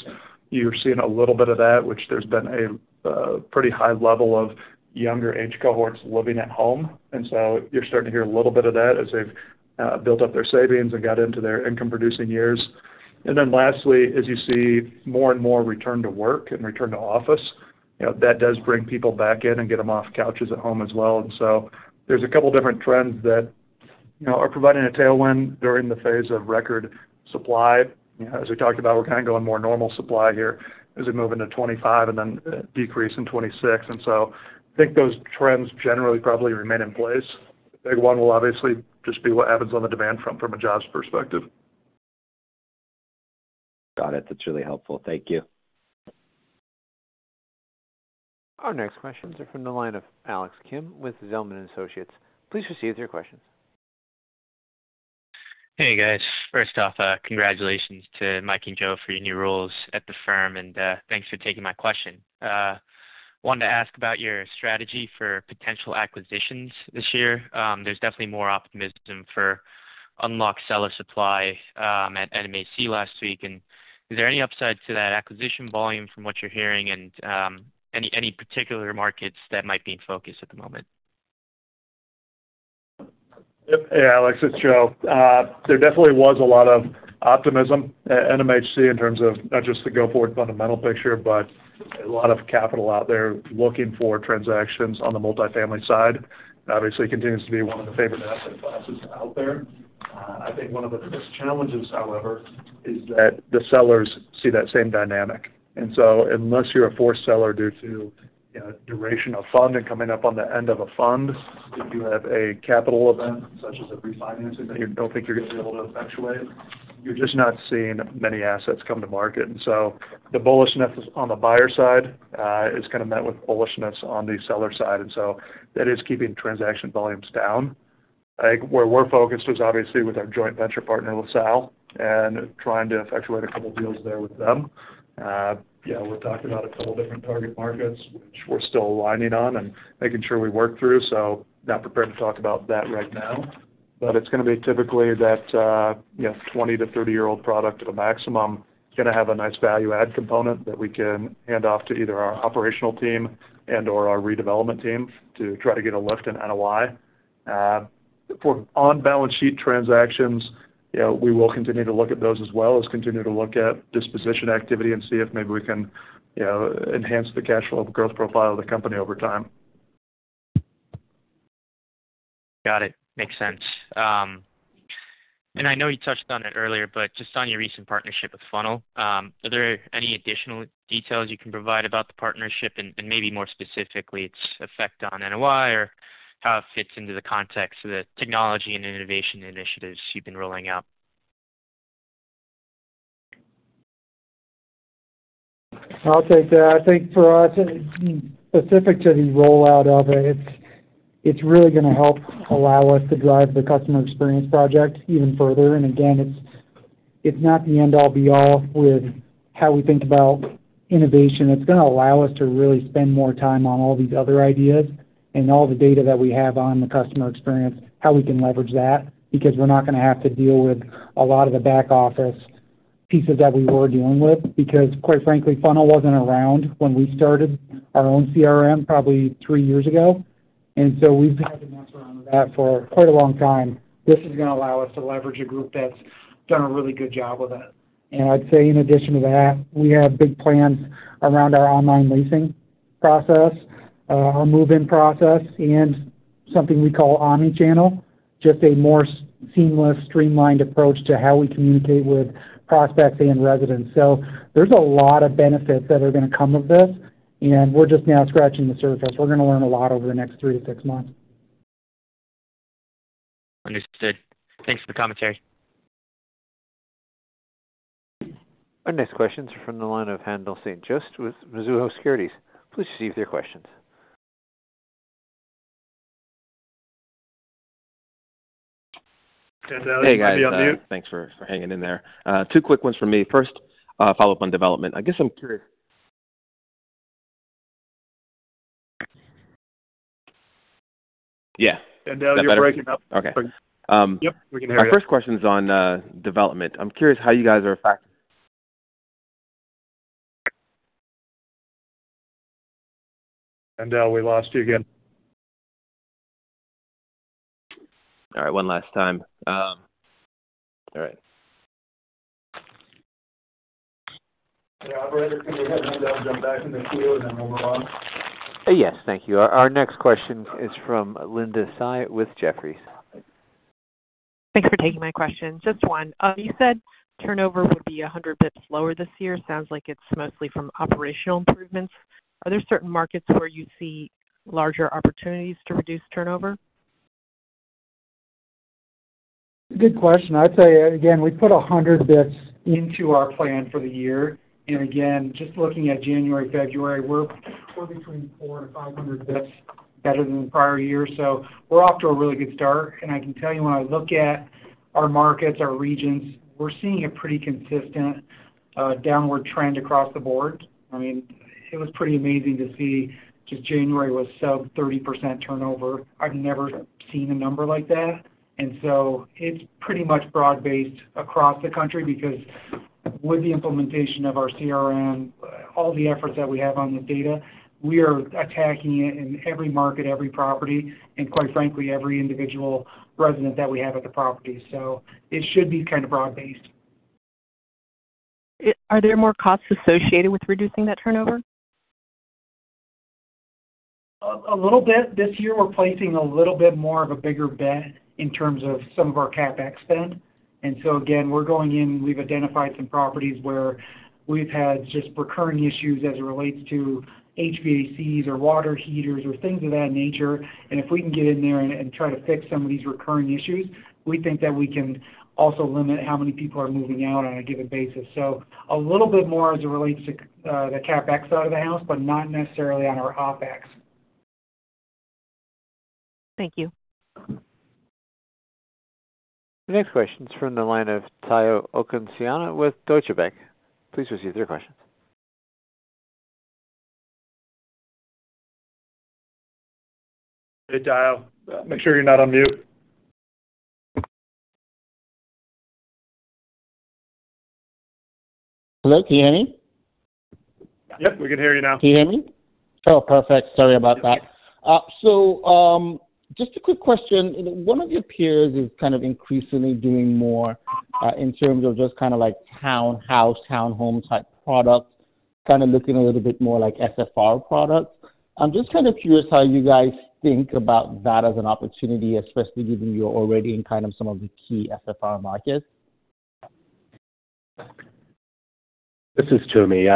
you're seeing a little bit of that, which there's been a pretty high level of younger age cohorts living at home. You're starting to hear a little bit of that as they've built up their savings and got into their income-producing years. Then lastly, as you see more and more return to work and return to office, that does bring people back in and get them off couches at home as well. There's a couple of different trends that are providing a tailwind during the phase of record supply. As we talked about, we're kind of going more normal supply here as we move into 2025 and then decrease in 2026. And so I think those trends generally probably remain in place. The big one will obviously just be what happens on the demand front from a jobs perspective.
Got it. That's really helpful. Thank you.
Our next questions are from the line of Alex Kalmus with Zelman & Associates. Please proceed with your questions.
Hey, guys. First off, congratulations to Mike and Joe for your new roles at the firm, and thanks for taking my question. I wanted to ask about your strategy for potential acquisitions this year. There's definitely more optimism for unlocked seller supply at NMHC last week, and is there any upside to that acquisition volume from what you're hearing and any particular markets that might be in focus at the moment?
Hey, Alex. It's Joe. There definitely was a lot of optimism at NMHC in terms of not just the go-forward fundamental picture, but a lot of capital out there looking for transactions on the multifamily side. Obviously, it continues to be one of the favorite asset classes out there. I think one of the biggest challenges, however, is that the sellers see that same dynamic. And so unless you're a forced seller due to duration of fund and coming up on the end of a fund, if you have a capital event such as a refinancing that you don't think you're going to be able to effectuate, you're just not seeing many assets come to market. And so the bullishness on the buyer side is kind of met with bullishness on the seller side. And so that is keeping transaction volumes down. I think where we're focused is obviously with our joint venture partner, LaSalle, and trying to effectuate a couple of deals there with them. We've talked about a couple of different target markets, which we're still aligning on and making sure we work through. So not prepared to talk about that right now. But it's going to be typically that 20 to 30-year-old product at a maximum is going to have a nice value-add component that we can hand off to either our operational team and/or our redevelopment team to try to get a lift in NOI. For on-balance sheet transactions, we will continue to look at those as well as continue to look at disposition activity and see if maybe we can enhance the cash flow growth profile of the company over time.
Got it. Makes sense. And I know you touched on it earlier, but just on your recent partnership with Funnel, are there any additional details you can provide about the partnership and maybe more specifically its effect on NOI or how it fits into the context of the technology and innovation initiatives you've been rolling out?
I'll take that. I think for us, specific to the rollout of it, it's really going to help allow us to drive the Customer Experience Project even further. And again, it's not the end-all, be-all with how we think about innovation. It's going to allow us to really spend more time on all these other ideas and all the data that we have on the customer experience, how we can leverage that because we're not going to have to deal with a lot of the back-office pieces that we were dealing with because, quite frankly, Funnel wasn't around when we started our own CRM probably three years ago. And so we've had to mess around with that for quite a long time. This is going to allow us to leverage a group that's done a really good job with it. And I'd say in addition to that, we have big plans around our online leasing process, our move-in process, and something we call Omnichannel, just a more seamless, streamlined approach to how we communicate with prospects and residents. So there's a lot of benefits that are going to come of this, and we're just now scratching the surface. We're going to learn a lot over the next three to six months.
Understood. Thanks for the commentary.
Our next questions are from the line of Haendel St. Juste with Mizuho Securities. Please proceed with your questions.
Hey, guys. Hey, guys. Thanks for hanging in there. Two quick ones from me. First, follow-up on development. I guess I'm curious. Yeah.
Haendel, you're breaking up.
Okay.
Yep. We can hear you.
Our first question is on development. I'm curious how you guys are affected.
Haendel, we lost you again.
All right. One last time. All right.
Yeah. I'll go ahead and jump back in the queue and then move along.
Yes. Thank you. Our next question is from Linda Tsai with Jefferies.
Thanks for taking my question. Just one. You said turnover would be 100 basis points lower this year. Sounds like it's mostly from operational improvements. Are there certain markets where you see larger opportunities to reduce turnover?
Good question. I'd say, again, we put 100 basis points into our plan for the year. And again, just looking at January, February, we're between 400 to 500 basis points better than the prior year. So we're off to a really good start. And I can tell you when I look at our markets, our regions, we're seeing a pretty consistent downward trend across the board. I mean, it was pretty amazing to see just January was sub-30% turnover. I've never seen a number like that. And so it's pretty much broad-based across the country because with the implementation of our CRM, all the efforts that we have on the data, we are attacking it in every market, every property, and quite frankly, every individual resident that we have at the property. So it should be kind of broad-based.
Are there more costs associated with reducing that turnover?
A little bit. This year, we're placing a little bit more of a bigger bet in terms of some of our CapEx spend. And so again, we're going in. We've identified some properties where we've had just recurring issues as it relates to HVACs or water heaters or things of that nature. And if we can get in there and try to fix some of these recurring issues, we think that we can also limit how many people are moving out on a given basis. So a little bit more as it relates to the CapEx side of the house, but not necessarily on our OpEx.
Thank you.
The next question is from the line of Tayo Okusanya with Deutsche Bank. Please proceed with your questions.
Hey, Tayo. Make sure you're not on mute.
Hello. Can you hear me?
Yep. We can hear you now.
Can you hear me? Oh, perfect. Sorry about that. So just a quick question. One of your peers is kind of increasingly doing more in terms of just kind of like townhouse, townhome-type products, kind of looking a little bit more like SFR products. I'm just kind of curious how you guys think about that as an opportunity, especially given you're already in kind of some of the key SFR markets?
This is Toomey.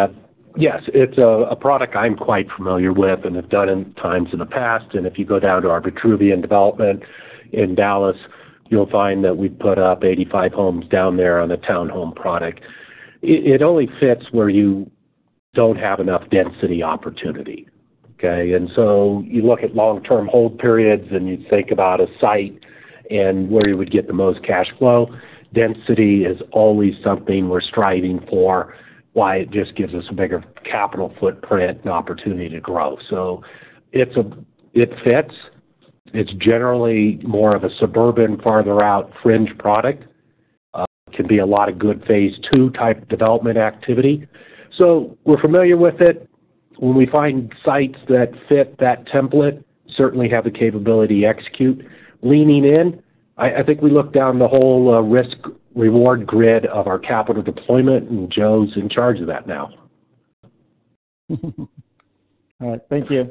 Yes. It's a product I'm quite familiar with and have done at times in the past. And if you go down to our Vitruvian development in Dallas, you'll find that we've put up 85 homes down there on the townhome product. It only fits where you don't have enough density opportunity. Okay? And so you look at long-term hold periods and you think about a site and where you would get the most cash flow. Density is always something we're striving for, why it just gives us a bigger capital footprint and opportunity to grow. So it fits. It's generally more of a suburban, farther-out fringe product. It can be a lot of good phase two-type development activity. So we're familiar with it. When we find sites that fit that template, certainly have the capability to execute. Leaning in, I think we look down the whole risk-reward grid of our capital deployment, and Joe's in charge of that now.
All right. Thank you.